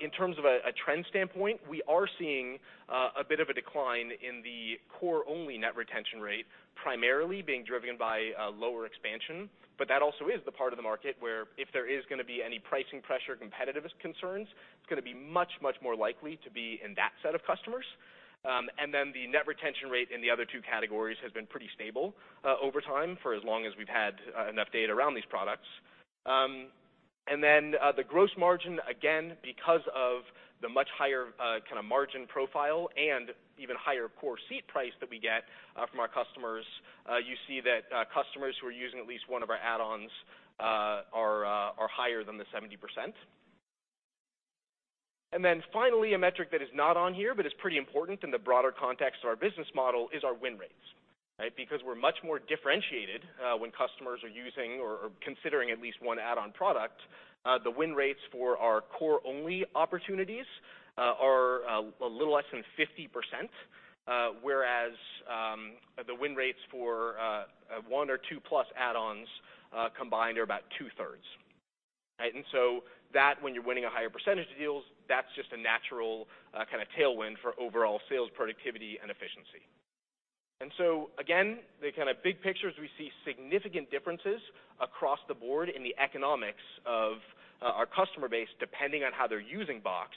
In terms of a trend standpoint, we are seeing a bit of a decline in the core-only net retention rate, primarily being driven by lower expansion. That also is the part of the market where, if there is going to be any pricing pressure, competitive concerns, it's going to be much, much more likely to be in that set of customers. The net retention rate in the other 2 categories has been pretty stable over time for as long as we've had enough data around these products. The gross margin, again, because of the much higher kind of margin profile and even higher core seat price that we get from our customers, you see that customers who are using at least one of our add-ons are higher than the 70%. Finally, a metric that is not on here, but is pretty important in the broader context of our business model is our win rates. Because we're much more differentiated when customers are using or considering at least one add-on product, the win rates for our core-only opportunities are a little less than 50%, whereas the win rates for one or two-plus add-ons combined are about two-thirds. That, when you're winning a higher percentage of deals, that's just a natural kind of tailwind for overall sales productivity and efficiency. Again, the kind of big picture is we see significant differences across the board in the economics of our customer base, depending on how they're using Box.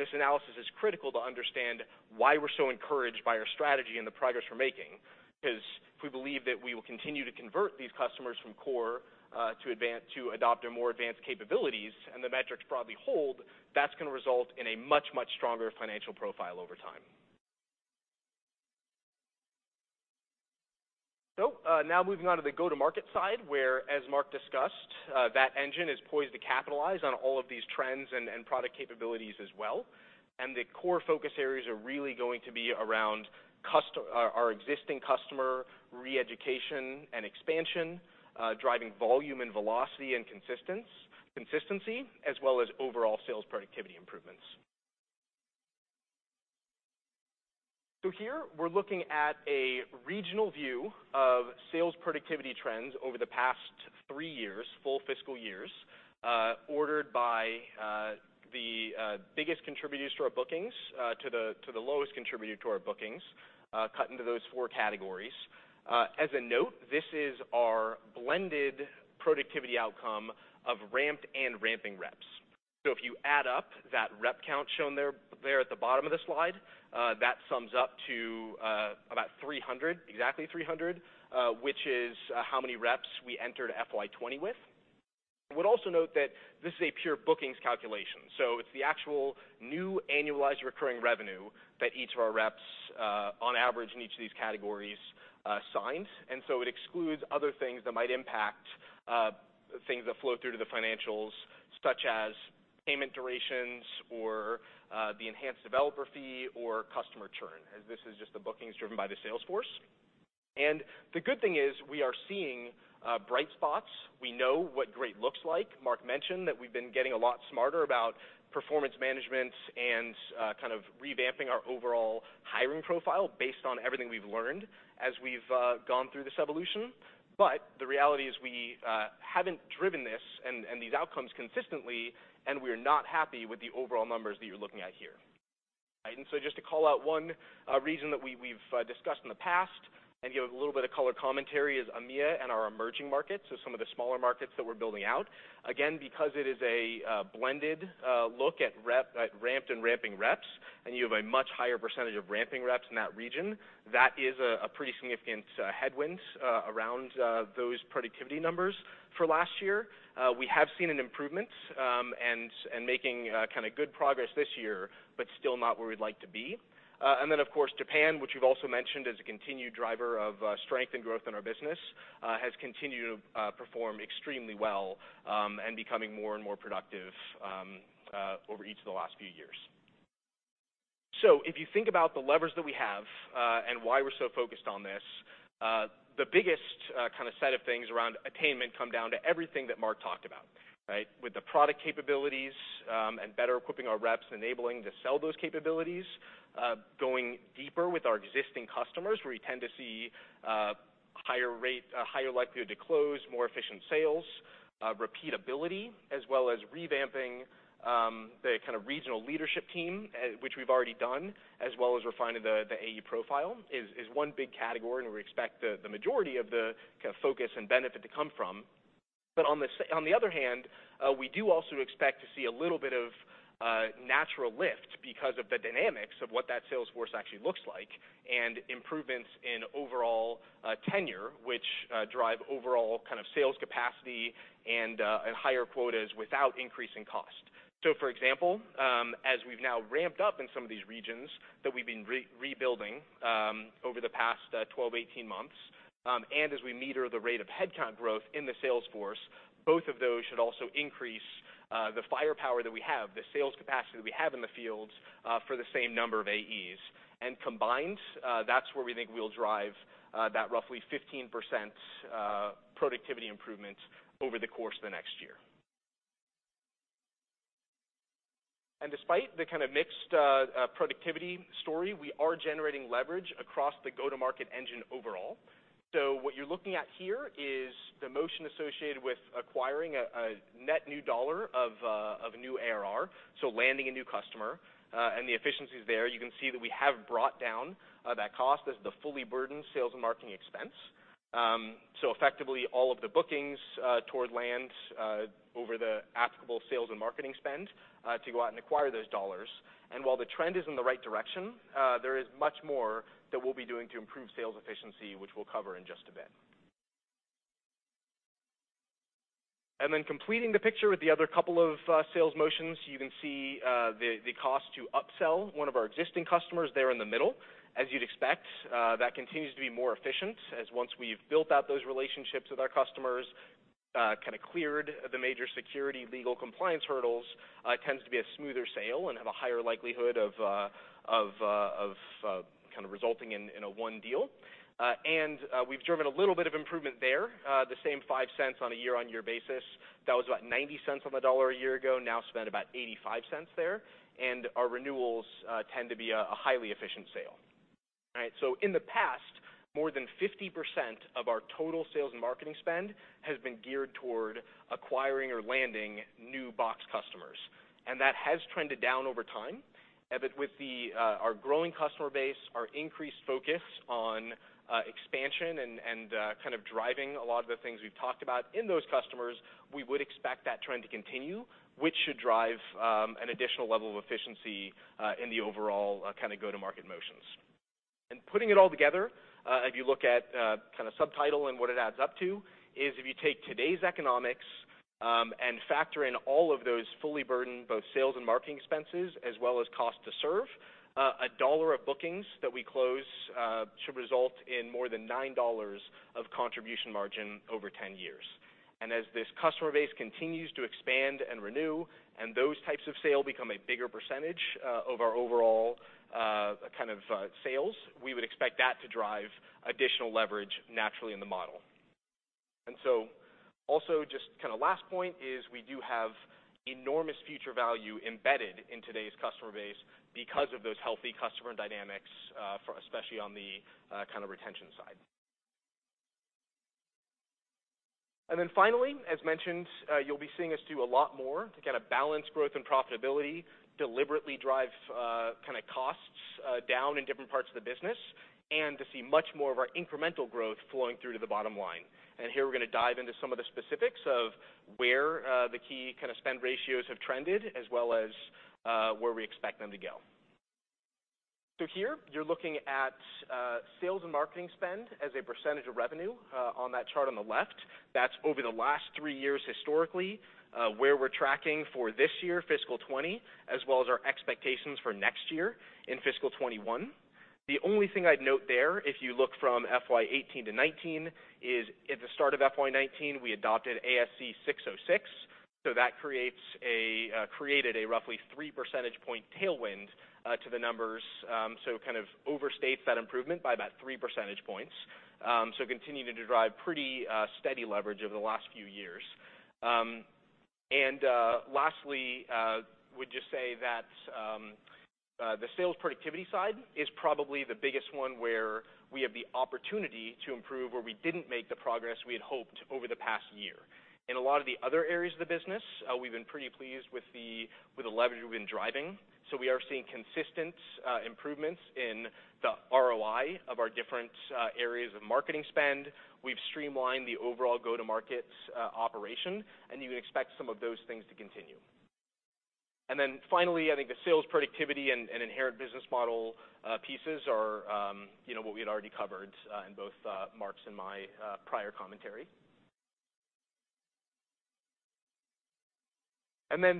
This analysis is critical to understand why we're so encouraged by our strategy and the progress we're making, because if we believe that we will continue to convert these customers from core to adopt our more advanced capabilities, and the metrics broadly hold, that's going to result in a much, much stronger financial profile over time. Now moving on to the go-to-market side, where, as Mark discussed, that engine is poised to capitalize on all of these trends and product capabilities as well. The core focus areas are really going to be around our existing customer reeducation and expansion, driving volume and velocity and consistency, as well as overall sales productivity improvements. Here, we're looking at a regional view of sales productivity trends over the past three years, full fiscal years, ordered by the biggest contributors to our bookings, to the lowest contributor to our bookings, cut into those 4 categories. As a note, this is our blended productivity outcome of ramped and ramping reps. If you add up that rep count shown there at the bottom of the slide, that sums up to about 300, exactly 300, which is how many reps we entered FY20 with. I would also note that this is a pure bookings calculation, it's the actual new annualized recurring revenue that each of our reps, on average in each of these categories, signed. It excludes other things that might impact things that flow through to the financials, such as payment durations or the enhanced developer fee or customer churn, as this is just the bookings driven by the sales force. The good thing is we are seeing bright spots. We know what great looks like. Mark mentioned that we've been getting a lot smarter about performance management and kind of revamping our overall hiring profile based on everything we've learned as we've gone through this evolution. The reality is we haven't driven this and these outcomes consistently, and we are not happy with the overall numbers that you're looking at here. Just to call out one reason that we've discussed in the past and give a little bit of color commentary is EMEA and our emerging markets, so some of the smaller markets that we're building out. Again, because it is a blended look at ramped and ramping reps, and you have a much higher percentage of ramping reps in that region, that is a pretty significant headwind around those productivity numbers for last year. We have seen an improvement and making kind of good progress this year, but still not where we'd like to be. Then, of course, Japan, which we've also mentioned as a continued driver of strength and growth in our business, has continued to perform extremely well and becoming more and more productive over each of the last few years. If you think about the levers that we have and why we're so focused on this, the biggest kind of set of things around attainment come down to everything that Mark talked about. With the product capabilities and better equipping our reps, enabling to sell those capabilities, going deeper with our existing customers, where we tend to see higher likelihood to close, more efficient sales, repeatability, as well as revamping the kind of regional leadership team, which we've already done, as well as refining the AE profile is one big category and where we expect the majority of the kind of focus and benefit to come from. On the other hand, we do also expect to see a little bit of natural lift because of the dynamics of what that sales force actually looks like and improvements in overall tenure, which drive overall kind of sales capacity and higher quotas without increasing cost. For example, as we've now ramped up in some of these regions that we've been rebuilding over the past 12, 18 months, and as we meter the rate of headcount growth in the sales force, both of those should also increase the firepower that we have, the sales capacity that we have in the field for the same number of AEs. Combined, that's where we think we'll drive that roughly 15% productivity improvement over the course of the next year. Despite the kind of mixed productivity story, we are generating leverage across the go-to-market engine overall. What you're looking at here is the motion associated with acquiring a net new $1 of new ARR, so landing a new customer, and the efficiencies there. You can see that we have brought down that cost. This is the fully burdened sales and marketing expense. Effectively all of the bookings toward land over the applicable sales and marketing spend to go out and acquire those dollars. While the trend is in the right direction, there is much more that we'll be doing to improve sales efficiency, which we'll cover in just a bit. Completing the picture with the other couple of sales motions, you can see the cost to upsell one of our existing customers there in the middle. As you'd expect, that continues to be more efficient as once we've built out those relationships with our customers, kind of cleared the major security legal compliance hurdles, it tends to be a smoother sale and have a higher likelihood of resulting in a won deal. We've driven a little bit of improvement there, the same $0.05 on a year-over-year basis. That was about $0.90 on the dollar a year ago, now spend about $0.85 there. Our renewals tend to be a highly efficient sale. All right. In the past, more than 50% of our total sales and marketing spend has been geared toward acquiring or landing new Box customers. That has trended down over time. With our growing customer base, our increased focus on expansion and kind of driving a lot of the things we've talked about in those customers, we would expect that trend to continue, which should drive an additional level of efficiency in the overall go-to-market motions. Putting it all together, if you look at kind of subtotal and what it adds up to, is if you take today's economics and factor in all of those fully burdened both sales and marketing expenses as well as cost to serve, a dollar of bookings that we close should result in more than $9 of contribution margin over 10 years. As this customer base continues to expand and renew and those types of sale become a bigger percentage of our overall kind of sales, we would expect that to drive additional leverage naturally in the model. Also just kind of last point is we do have enormous future value embedded in today's customer base because of those healthy customer dynamics, especially on the kind of retention side. Finally, as mentioned, you'll be seeing us do a lot more to kind of balance growth and profitability, deliberately drive costs down in different parts of the business, and to see much more of our incremental growth flowing through to the bottom line. Here we're going to dive into some of the specifics of where the key kind of spend ratios have trended, as well as where we expect them to go. Here you're looking at sales and marketing spend as a % of revenue on that chart on the left. That's over the last three years historically, where we're tracking for this year, fiscal 2020, as well as our expectations for next year in fiscal 2021. The only thing I'd note there, if you look from FY 2018 to 2019, is at the start of FY 2019, we adopted ASC 606. That created a roughly three percentage point tailwind to the numbers, kind of overstates that improvement by about three percentage points. Continuing to drive pretty steady leverage over the last few years. Lastly, would just say that the sales productivity side is probably the biggest one where we have the opportunity to improve where we didn't make the progress we had hoped over the past year. In a lot of the other areas of the business, we've been pretty pleased with the leverage we've been driving. We are seeing consistent improvements in the ROI of our different areas of marketing spend. We've streamlined the overall go-to-market operation, and you would expect some of those things to continue. Finally, I think the sales productivity and inherent business model pieces are what we had already covered in both Mark's and my prior commentary.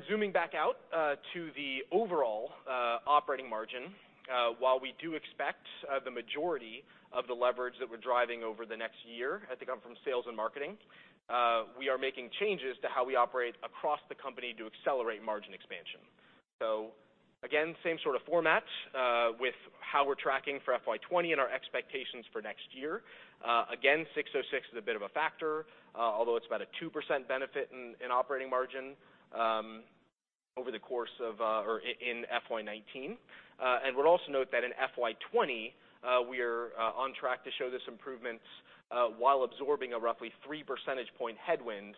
Zooming back out to the overall operating margin, while we do expect the majority of the leverage that we're driving over the next year, I think, come from sales and marketing, we are making changes to how we operate across the company to accelerate margin expansion. Again, same sort of format, with how we're tracking for FY 2020 and our expectations for next year. Again, ASC 606 is a bit of a factor, although it's about a 2% benefit in operating margin over the course of or in FY 2019. Would also note that in FY 2020, we are on track to show this improvements while absorbing a roughly three percentage point headwind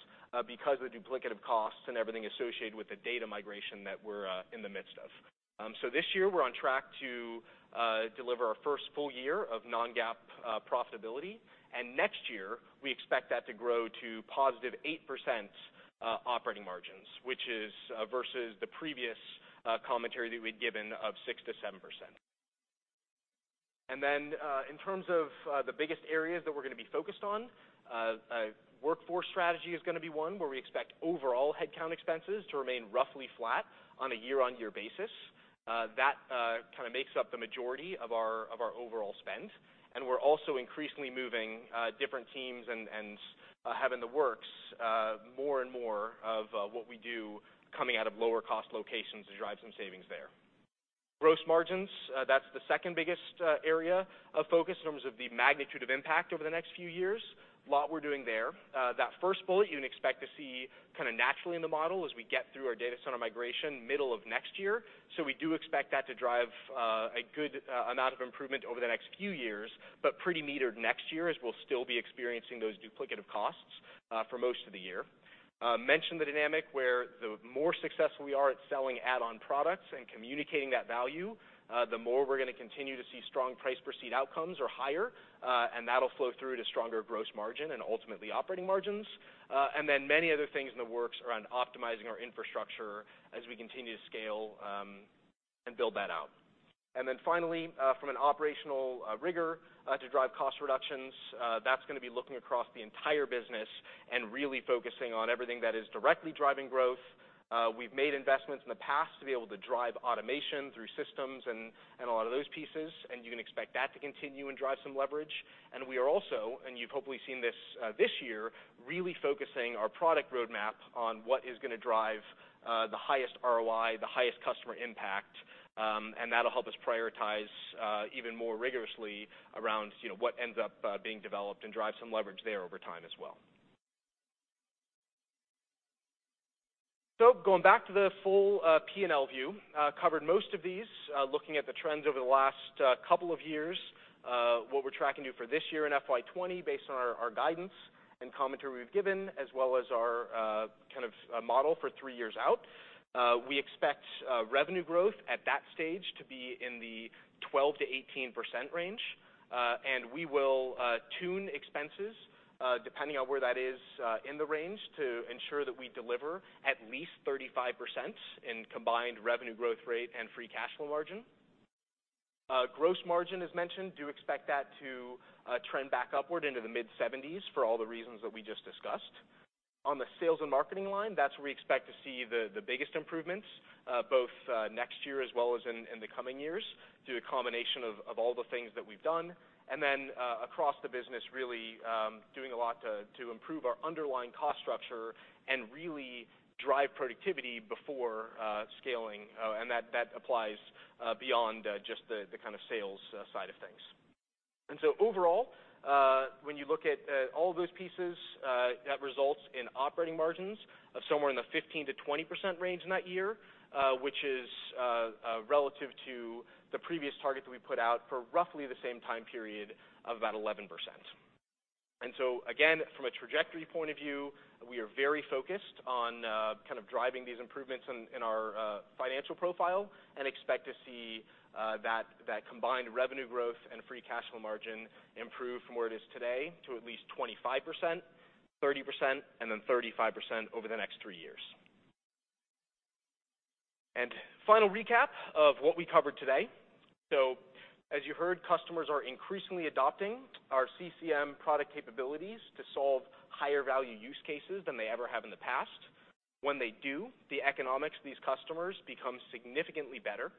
because of the duplicative costs and everything associated with the data migration that we're in the midst of. This year, we're on track to deliver our first full year of non-GAAP profitability, next year we expect that to grow to positive 8% operating margins, which is versus the previous commentary that we'd given of 6%-7%. In terms of the biggest areas that we're going to be focused on, workforce strategy is going to be one, where we expect overall headcount expenses to remain roughly flat on a year-over-year basis. That kind of makes up the majority of our overall spend. We're also increasingly moving different teams and having the work more and more of what we do coming out of lower-cost locations to drive some savings there. Gross margins, that's the second biggest area of focus in terms of the magnitude of impact over the next few years. A lot we're doing there. That first bullet you can expect to see kind of naturally in the model as we get through our data center migration middle of next year. We do expect that to drive a good amount of improvement over the next few years, but pretty metered next year, as we'll still be experiencing those duplicative costs for most of the year. The dynamic where the more successful we are at selling add-on products and communicating that value, the more we're going to continue to see strong price per seat outcomes or higher, and that'll flow through to stronger gross margin and ultimately operating margins. Many other things in the works around optimizing our infrastructure as we continue to scale and build that out. Finally, from an operational rigor to drive cost reductions, that's going to be looking across the entire business and really focusing on everything that is directly driving growth. We've made investments in the past to be able to drive automation through systems and a lot of those pieces, and you can expect that to continue and drive some leverage. We are also, and you've hopefully seen this this year, really focusing our product roadmap on what is going to drive the highest ROI, the highest customer impact, and that'll help us prioritize even more rigorously around what ends up being developed and drive some leverage there over time as well. Going back to the full P&L view, covered most of these, looking at the trends over the last couple of years, what we're tracking you for this year in FY 2020, based on our guidance and commentary we've given, as well as our kind of model for three years out. We expect revenue growth at that stage to be in the 12%-18% range, and we will tune expenses, depending on where that is in the range, to ensure that we deliver at least 35% in combined revenue growth rate and free cash flow margin. Gross margin, as mentioned, do expect that to trend back upward into the mid-70s for all the reasons that we just discussed. On the sales and marketing line, that's where we expect to see the biggest improvements, both next year as well as in the coming years, through a combination of all the things that we've done. Across the business, really doing a lot to improve our underlying cost structure and really drive productivity before scaling, and that applies beyond just the kind of sales side of things. Overall, when you look at all those pieces, that results in operating margins of somewhere in the 15%-20% range in that year, which is relative to the previous target that we put out for roughly the same time period of about 11%. Again, from a trajectory point of view, we are very focused on kind of driving these improvements in our financial profile and expect to see that combined revenue growth and free cash flow margin improve from where it is today to at least 25%, 30%, and then 35% over the next three years. Final recap of what we covered today. As you heard, customers are increasingly adopting our CCM product capabilities to solve higher-value use cases than they ever have in the past. When they do, the economics of these customers become significantly better.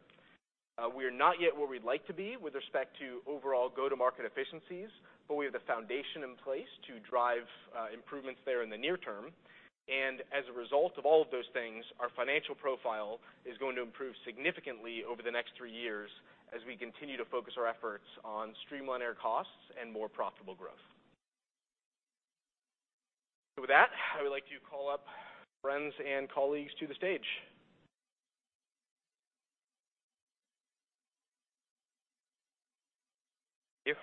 We are not yet where we'd like to be with respect to overall go-to-market efficiencies, but we have the foundation in place to drive improvements there in the near term. As a result of all of those things, our financial profile is going to improve significantly over the next 3 years as we continue to focus our efforts on streamlined costs and more profitable growth. With that, I would like to call up friends and colleagues to the stage. Thank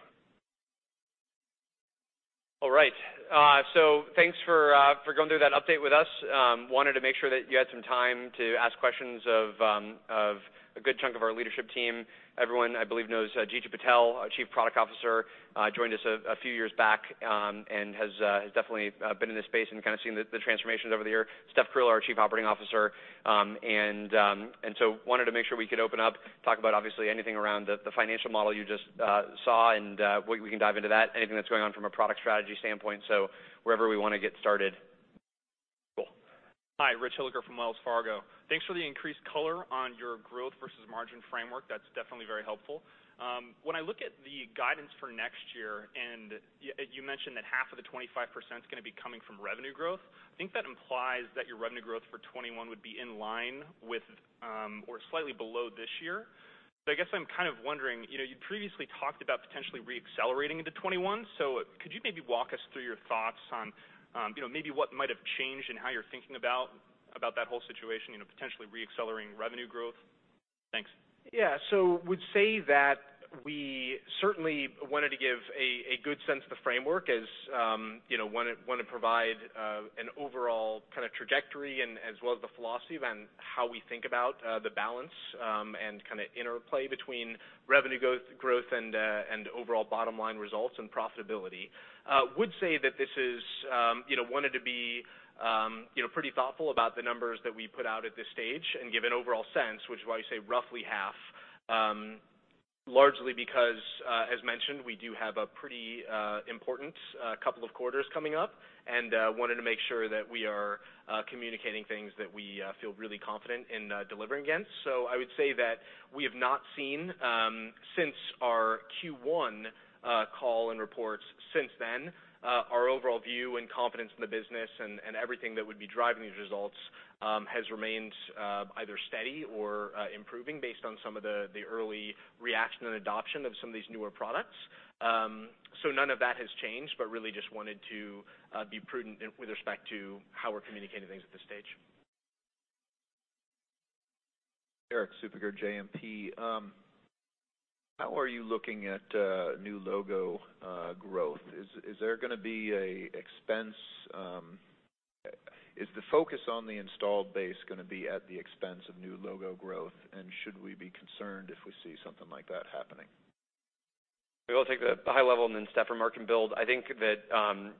you. All right. Thanks for going through that update with us. I wanted to make sure that you had some time to ask questions of a good chunk of our leadership team. Everyone I believe knows Jeetu Patel, our Chief Product Officer, joined us a few years back and has definitely been in this space and kind of seen the transformations over the year. Stephanie Carullo, our Chief Operating Officer. We wanted to make sure we could open up, talk about obviously anything around the financial model you just saw, and we can dive into that, anything that's going on from a product strategy standpoint. Wherever we want to get started. Cool. Hi, Richard Hilliker from Wells Fargo. Thanks for the increased color on your growth versus margin framework. That's definitely very helpful. When I look at the guidance for next year, and you mentioned that half of the 25% is going to be coming from revenue growth, I think that implies that your revenue growth for 2021 would be in line with, or slightly below this year. I guess I'm kind of wondering, you previously talked about potentially re-accelerating into 2021, so could you maybe walk us through your thoughts on maybe what might have changed in how you're thinking about that whole situation, potentially re-accelerating revenue growth? Thanks. We would say that we certainly wanted to give a good sense of the framework as wanted to provide an overall kind of trajectory and as well as the philosophy around how we think about the balance, and kind of interplay between revenue growth and overall bottom-line results and profitability. We wanted to be pretty thoughtful about the numbers that we put out at this stage and give an overall sense, which is why I say roughly half. Largely because, as mentioned, we do have a pretty important couple of quarters coming up and wanted to make sure that we are communicating things that we feel really confident in delivering against. I would say that we have not seen, since our Q1 call and reports since then, our overall view and confidence in the business and everything that would be driving these results has remained either steady or improving based on some of the early reaction and adoption of some of these newer products. None of that has changed, but really just wanted to be prudent with respect to how we're communicating things at this stage. How are you looking at new logo growth? Is the focus on the installed base going to be at the expense of new logo growth, and should we be concerned if we see something like that happening? I will take the high level and then Steph or Mark can build. I think that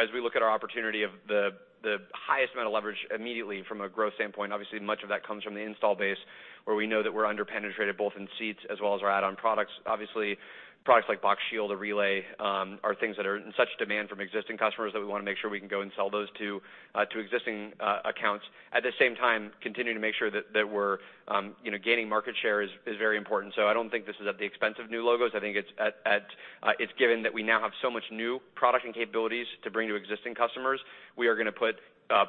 as we look at our opportunity of the highest amount of leverage immediately from a growth standpoint, obviously much of that comes from the install base, where we know that we're under-penetrated both in seats as well as our add-on products. Obviously, products like Box Shield or Relay are things that are in such demand from existing customers that we want to make sure we can go and sell those to existing accounts. At the same time, continuing to make sure that we're gaining market share is very important. I don't think this is at the expense of new logos. I think it's given that we now have so much new product and capabilities to bring to existing customers. We are going to put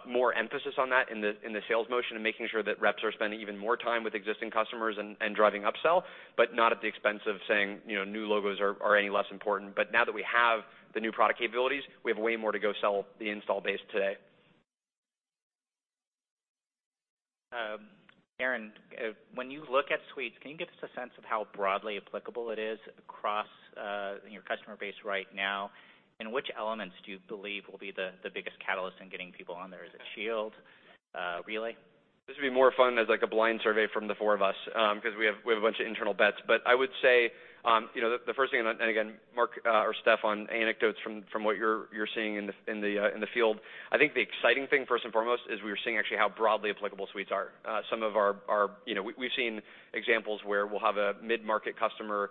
more emphasis on that in the sales motion and making sure that reps are spending even more time with existing customers and driving upsell, but not at the expense of saying new logos are any less important. Now that we have the new product capabilities, we have way more to go sell the install base today. Aaron, when you look at Suites, can you give us a sense of how broadly applicable it is across your customer base right now? Which elements do you believe will be the biggest catalyst in getting people on there? Is it Shield? Relay? This would be more fun as a blind survey from the four of us, because we have a bunch of internal bets. I would say, the first thing, and again, Mark or Steph, on anecdotes from what you're seeing in the field, I think the exciting thing, first and foremost, is we are seeing actually how broadly applicable Suites are. We've seen examples where we'll have a mid-market customer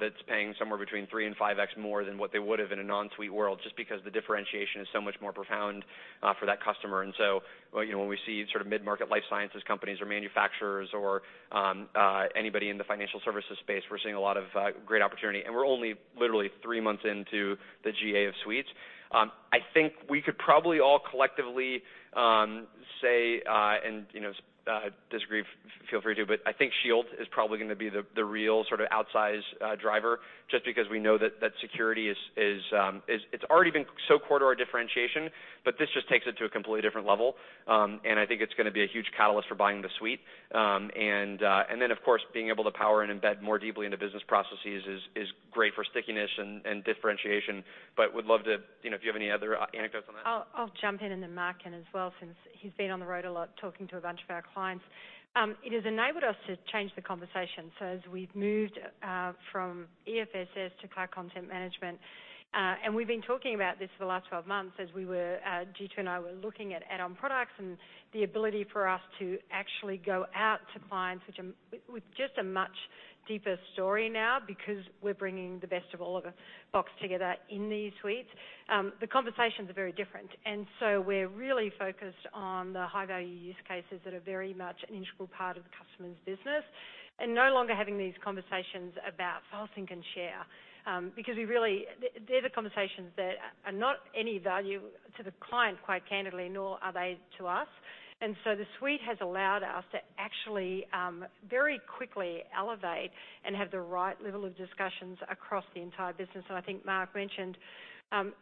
that's paying somewhere between three and 5x more than what they would've in a non-Suite world, just because the differentiation is so much more profound for that customer. When we see mid-market life sciences companies or manufacturers or anybody in the financial services space, we're seeing a lot of great opportunity. We're only literally three months into the GA of Suites. I think we could probably all collectively say, and disagree, feel free to, but I think Shield is probably going to be the real outsize driver, just because we know that security, it's already been so core to our differentiation, but this just takes it to a completely different level. I think it's going to be a huge catalyst for buying the Suite. Of course, being able to power and embed more deeply into business processes is great for stickiness and differentiation. I would love to if you have any other anecdotes on that. I'll jump in and then Mark can as well, since he's been on the road a lot talking to a bunch of our clients. It has enabled us to change the conversation. As we've moved from EFSS to cloud content management, we've been talking about this for the last 12 months as Jeetu and I were looking at add-on products and the ability for us to actually go out to clients with just a much deeper story now because we're bringing the best of all of Box together in these suites. The conversations are very different. We're really focused on the high-value use cases that are very much an integral part of the customer's business, no longer having these conversations about file sync and share. They're the conversations that are not any value to the client, quite candidly, nor are they to us. The suite has allowed us to actually very quickly elevate and have the right level of discussions across the entire business. I think Mark mentioned,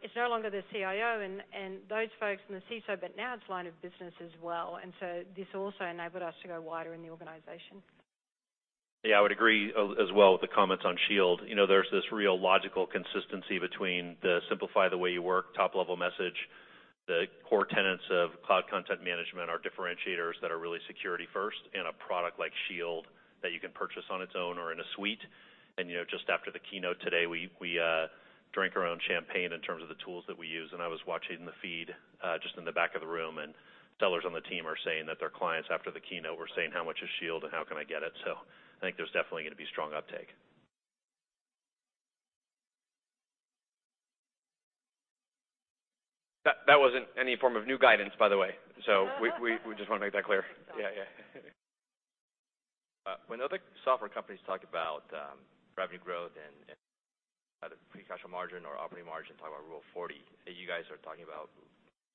it's no longer the CIO and those folks and the CISO, but now it's line of business as well. This also enabled us to go wider in the organization. Yeah, I would agree as well with the comments on Shield. There's this real logical consistency between the simplify the way you work top-level message, the core tenets of cloud content management are differentiators that are really security first in a product like Shield that you can purchase on its own or in a suite. Just after the keynote today, we drank our own champagne in terms of the tools that we use, and I was watching the feed just in the back of the room, and sellers on the team are saying that their clients after the keynote were saying, "How much is Shield and how can I get it?" I think there's definitely going to be strong uptake. That wasn't any form of new guidance, by the way. We just want to make that clear. Yeah. When other software companies talk about revenue growth and either free cash flow margin or operating margin, talk about rule 40, and you guys are talking about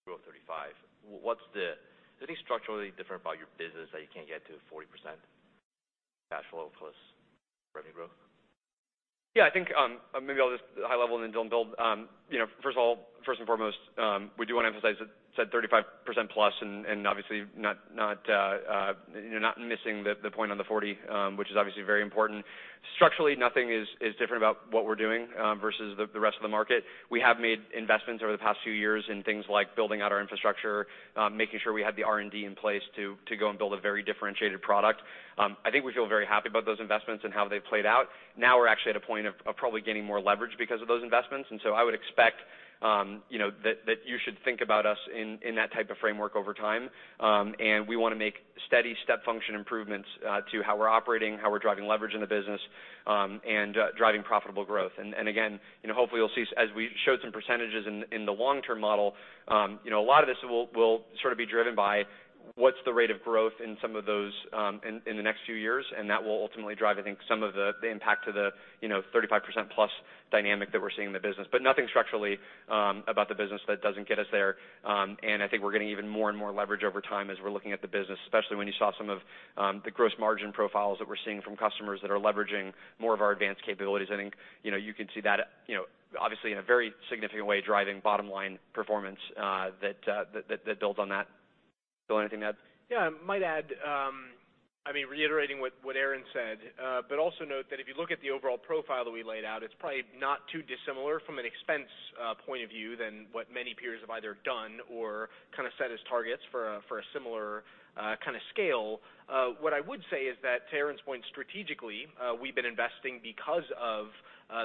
Rule of 35. Is anything structurally different about your business that you can't get to 40% cash flow plus revenue growth? I think maybe I'll just high level and then Dylan build. First of all, first and foremost, we do want to emphasize that said 35%+, and obviously, not missing the point on the 40%, which is obviously very important. Structurally, nothing is different about what we're doing versus the rest of the market. We have made investments over the past few years in things like building out our infrastructure, making sure we had the R&D in place to go and build a very differentiated product. I think we feel very happy about those investments and how they've played out. Now we're actually at a point of probably gaining more leverage because of those investments. I would expect that you should think about us in that type of framework over time. We want to make steady step function improvements to how we're operating, how we're driving leverage in the business, and driving profitable growth. Again, hopefully you'll see, as we showed some percentages in the long-term model, a lot of this will sort of be driven by what's the rate of growth in some of those in the next few years? That will ultimately drive, I think, some of the impact to the 35%-plus dynamic that we're seeing in the business. Nothing structurally about the business that doesn't get us there, and I think we're getting even more and more leverage over time as we're looking at the business, especially when you saw some of the gross margin profiles that we're seeing from customers that are leveraging more of our advanced capabilities. I think you could see that, obviously, in a very significant way, driving bottom-line performance that builds on that. Bill, anything to add? I might add, reiterating what Aaron said, but also note that if you look at the overall profile that we laid out, it's probably not too dissimilar from an expense point of view than what many peers have either done or set as targets for a similar kind of scale. What I would say is that to Aaron's point, strategically, we've been investing because of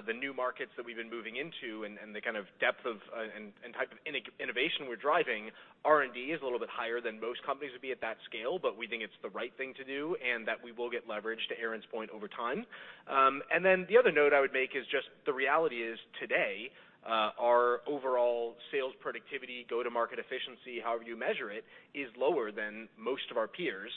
the new markets that we've been moving into and the kind of depth of and type of innovation we're driving. R&D is a little bit higher than most companies would be at that scale, but we think it's the right thing to do, and that we will get leverage, to Aaron's point, over time. The other note I would make is just the reality is today, our overall sales productivity go-to-market efficiency, however you measure it, is lower than most of our peers.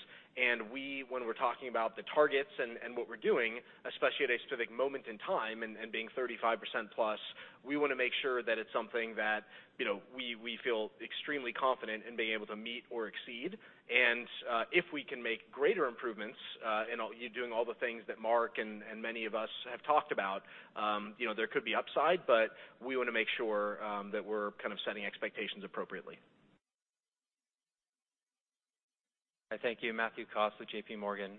When we're talking about the targets and what we're doing, especially at a specific moment in time and being 35%-plus, we want to make sure that it's something that we feel extremely confident in being able to meet or exceed. If we can make greater improvements in doing all the things that Mark and many of us have talked about, there could be upside, but we want to make sure that we're setting expectations appropriately. Thank you, Matthew Koss with JPMorgan.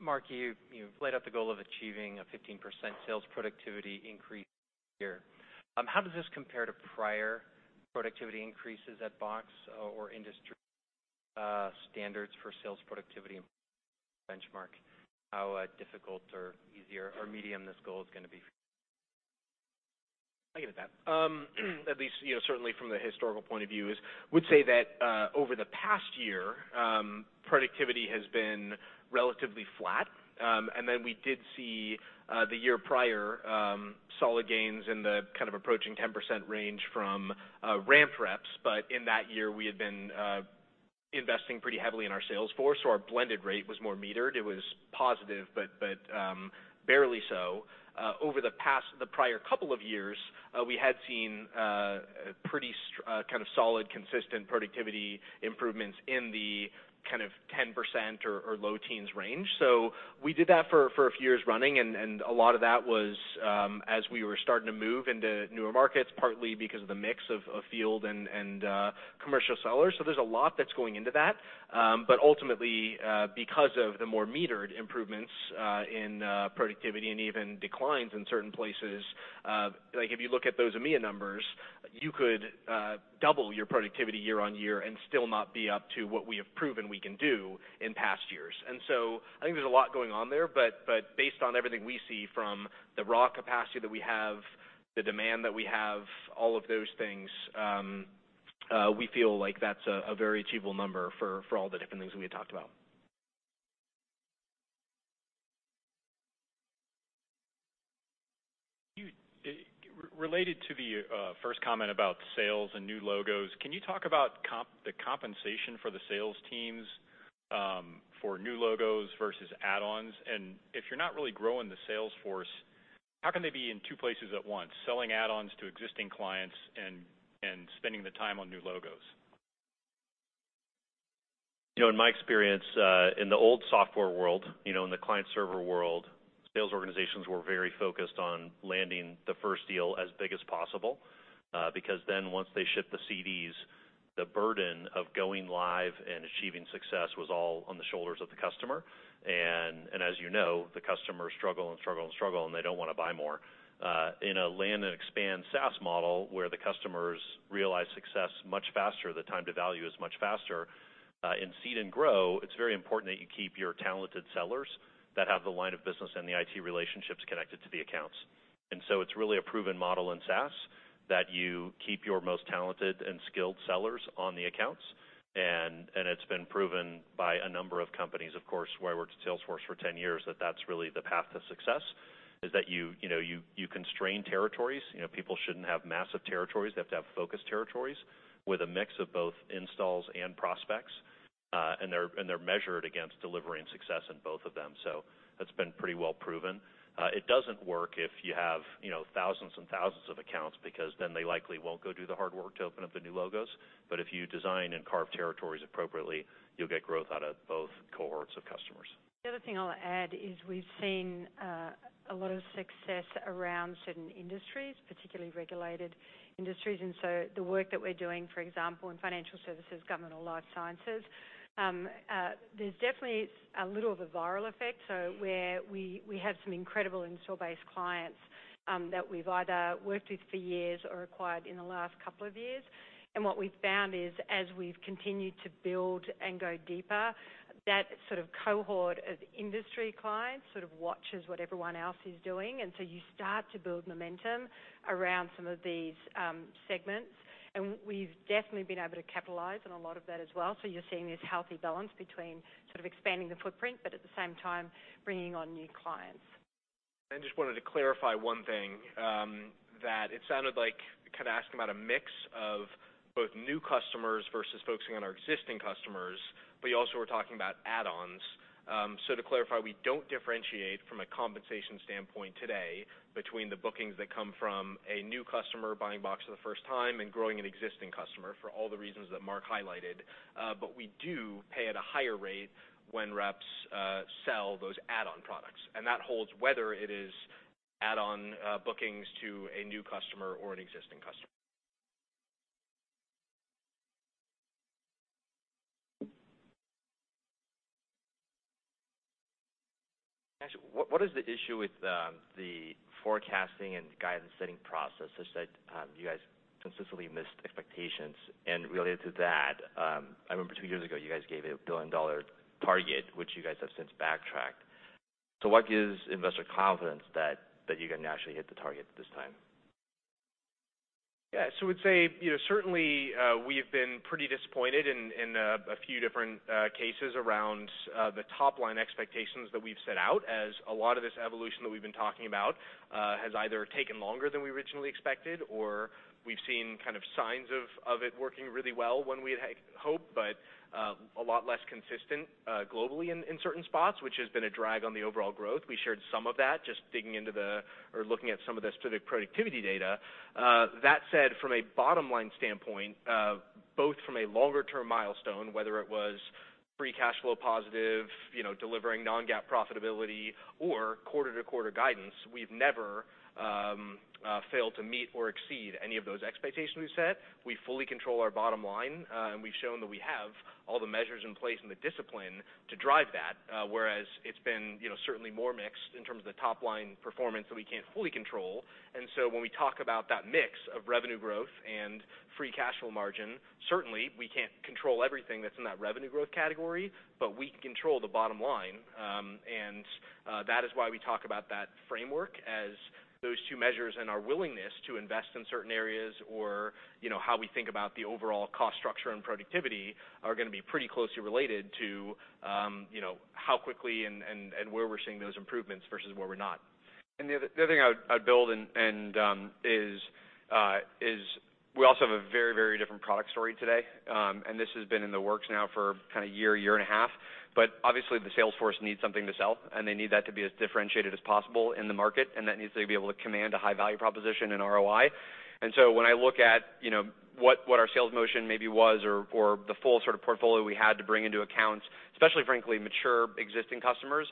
Mark, you laid out the goal of achieving a 15% sales productivity increase year. How does this compare to prior productivity increases at Box or industry standards for sales productivity benchmark? How difficult or easier or medium this goal is going to be? I can hit that. At least certainly from the historical point of view, I would say that over the past year, productivity has been relatively flat. We did see the year prior, solid gains in the approaching 10% range from ramped reps. In that year, we had been investing pretty heavily in our sales force, so our blended rate was more metered. It was positive, but barely so. Over the prior couple of years, we had seen a pretty solid, consistent productivity improvements in the 10% or low teens range. We did that for a few years running, and a lot of that was as we were starting to move into newer markets, partly because of the mix of field and commercial sellers. There's a lot that's going into that. Ultimately, because of the more metered improvements in productivity and even declines in certain places, like if you look at those EMEA numbers, you could double your productivity year-over-year and still not be up to what we have proven we can do in past years. I think there's a lot going on there, but based on everything we see from the raw capacity that we have, the demand that we have, all of those things, we feel like that's a very achievable number for all the different things we had talked about. Related to the first comment about sales and new logos, can you talk about the compensation for the sales teams for new logos versus add-ons? If you're not really growing the sales force, how can they be in two places at once, selling add-ons to existing clients and spending the time on new logos? In my experience, in the old software world, in the client-server world, sales organizations were very focused on landing the first deal as big as possible, because then once they ship the CDs, the burden of going live and achieving success was all on the shoulders of the customer. As you know, the customers struggle, and struggle, and struggle, and they don't want to buy more. In a land and expand SaaS model where the customers realize success much faster, the time to value is much faster. In seed and grow, it's very important that you keep your talented sellers that have the line of business and the IT relationships connected to the accounts. So it's really a proven model in SaaS that you keep your most talented and skilled sellers on the accounts. It's been proven by a number of companies, of course, where I worked at Salesforce for 10 years, that's really the path to success, is that you constrain territories. People shouldn't have massive territories. They have to have focused territories with a mix of both installs and prospects, and they're measured against delivery and success in both of them. That's been pretty well proven. It doesn't work if you have thousands and thousands of accounts, because then they likely won't go do the hard work to open up the new logos. If you design and carve territories appropriately, you'll get growth out of both cohorts of customers. The other thing I'll add is we've seen a lot of success around certain industries, particularly regulated industries. The work that we're doing, for example, in financial services, government, or life sciences, there's definitely a little of a viral effect. Where we have some incredible install-based clients that we've either worked with for years or acquired in the last couple of years. What we've found is as we've continued to build and go deeper, that sort of cohort of industry clients sort of watches what everyone else is doing, and so you start to build momentum around some of these segments. We've definitely been able to capitalize on a lot of that as well. You're seeing this healthy balance between sort of expanding the footprint, but at the same time, bringing on new clients. I just wanted to clarify one thing, that it sounded like you kind of asked about a mix of both new customers versus focusing on our existing customers, but you also were talking about add-ons. To clarify, we don't differentiate from a compensation standpoint today between the bookings that come from a new customer buying Box for the first time and growing an existing customer for all the reasons that Mark highlighted. We do pay at a higher rate when reps sell those add-on products. That holds whether it is add-on bookings to a new customer or an existing customer. Actually, what is the issue with the forecasting and guidance setting process such that you guys consistently missed expectations? Related to that, I remember two years ago, you guys gave a billion-dollar target, which you guys have since backtracked. What gives investors confidence that you can actually hit the target this time? Yeah. I would say certainly, we've been pretty disappointed in a few different cases around the top-line expectations that we've set out, as a lot of this evolution that we've been talking about has either taken longer than we originally expected, or we've seen signs of it working really well when we'd hope, but a lot less consistent globally in certain spots, which has been a drag on the overall growth. We shared some of that, just looking at some of the specific productivity data. That said, from a bottom-line standpoint, both from a longer-term milestone, whether it was free cash flow positive, delivering non-GAAP profitability, or quarter-to-quarter guidance, we've never failed to meet or exceed any of those expectations we've set. We fully control our bottom line, and we've shown that we have all the measures in place and the discipline to drive that, whereas it's been certainly more mixed in terms of the top-line performance that we can't fully control. When we talk about that mix of revenue growth and free cash flow margin, certainly, we can't control everything that's in that revenue growth category, but we can control the bottom line. That is why we talk about that framework as those two measures and our willingness to invest in certain areas or how we think about the overall cost structure and productivity are going to be pretty closely related to how quickly and where we're seeing those improvements versus where we're not. The other thing I would build in is we also have a very different product story today. This has been in the works now for kind of a year and a half. Obviously, the Salesforce needs something to sell, and they need that to be as differentiated as possible in the market, and that needs to be able to command a high-value proposition and ROI. When I look at what our sales motion maybe was or the full sort of portfolio we had to bring into accounts, especially, frankly, mature existing customers,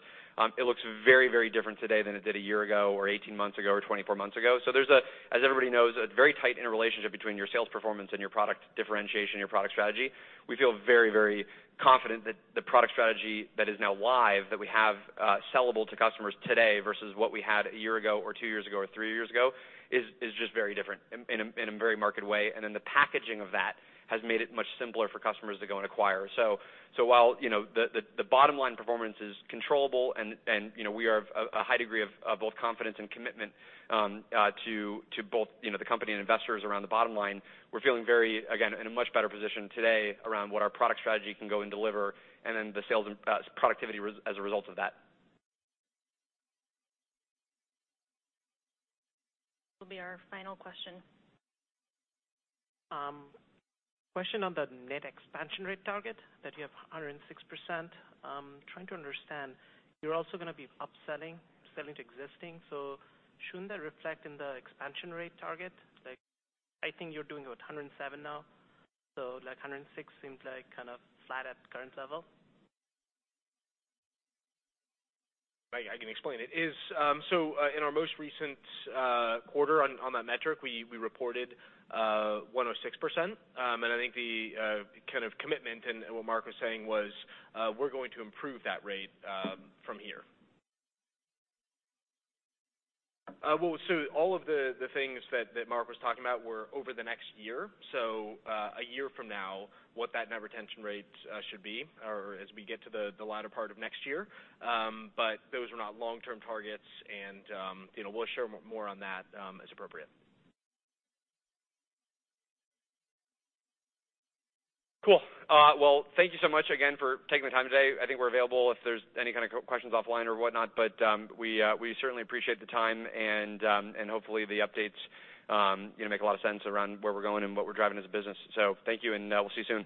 it looks very different today than it did one year ago or 18 months ago or 24 months ago. There's, as everybody knows, a very tight interrelationship between your sales performance and your product differentiation, your product strategy. We feel very confident that the product strategy that is now live, that we have sellable to customers today versus what we had a year ago or two years ago or three years ago, is just very different in a very marked way. The packaging of that has made it much simpler for customers to go and acquire. While the bottom line performance is controllable and we have a high degree of both confidence and commitment to both the company and investors around the bottom line, we're feeling very, again, in a much better position today around what our product strategy can go and deliver, and then the sales and productivity as a result of that. This will be our final question. Question on the net expansion rate target that you have 106%. I'm trying to understand, you're also going to be upselling, selling to existing, shouldn't that reflect in the expansion rate target? I think you're doing what, 107 now? 106 seems flat at current level. I can explain. In our most recent quarter on that metric, we reported 106%. I think the kind of commitment and what Mark was saying was, we're going to improve that rate from here. Well, all of the things that Mark was talking about were over the next year. A year from now, what that net retention rate should be, or as we get to the latter part of next year. Those are not long-term targets, and we'll share more on that as appropriate. Cool. Well, thank you so much again for taking the time today. I think we're available if there's any kind of questions offline or whatnot, but we certainly appreciate the time and hopefully the updates make a lot of sense around where we're going and what we're driving as a business. Thank you, and we'll see you soon.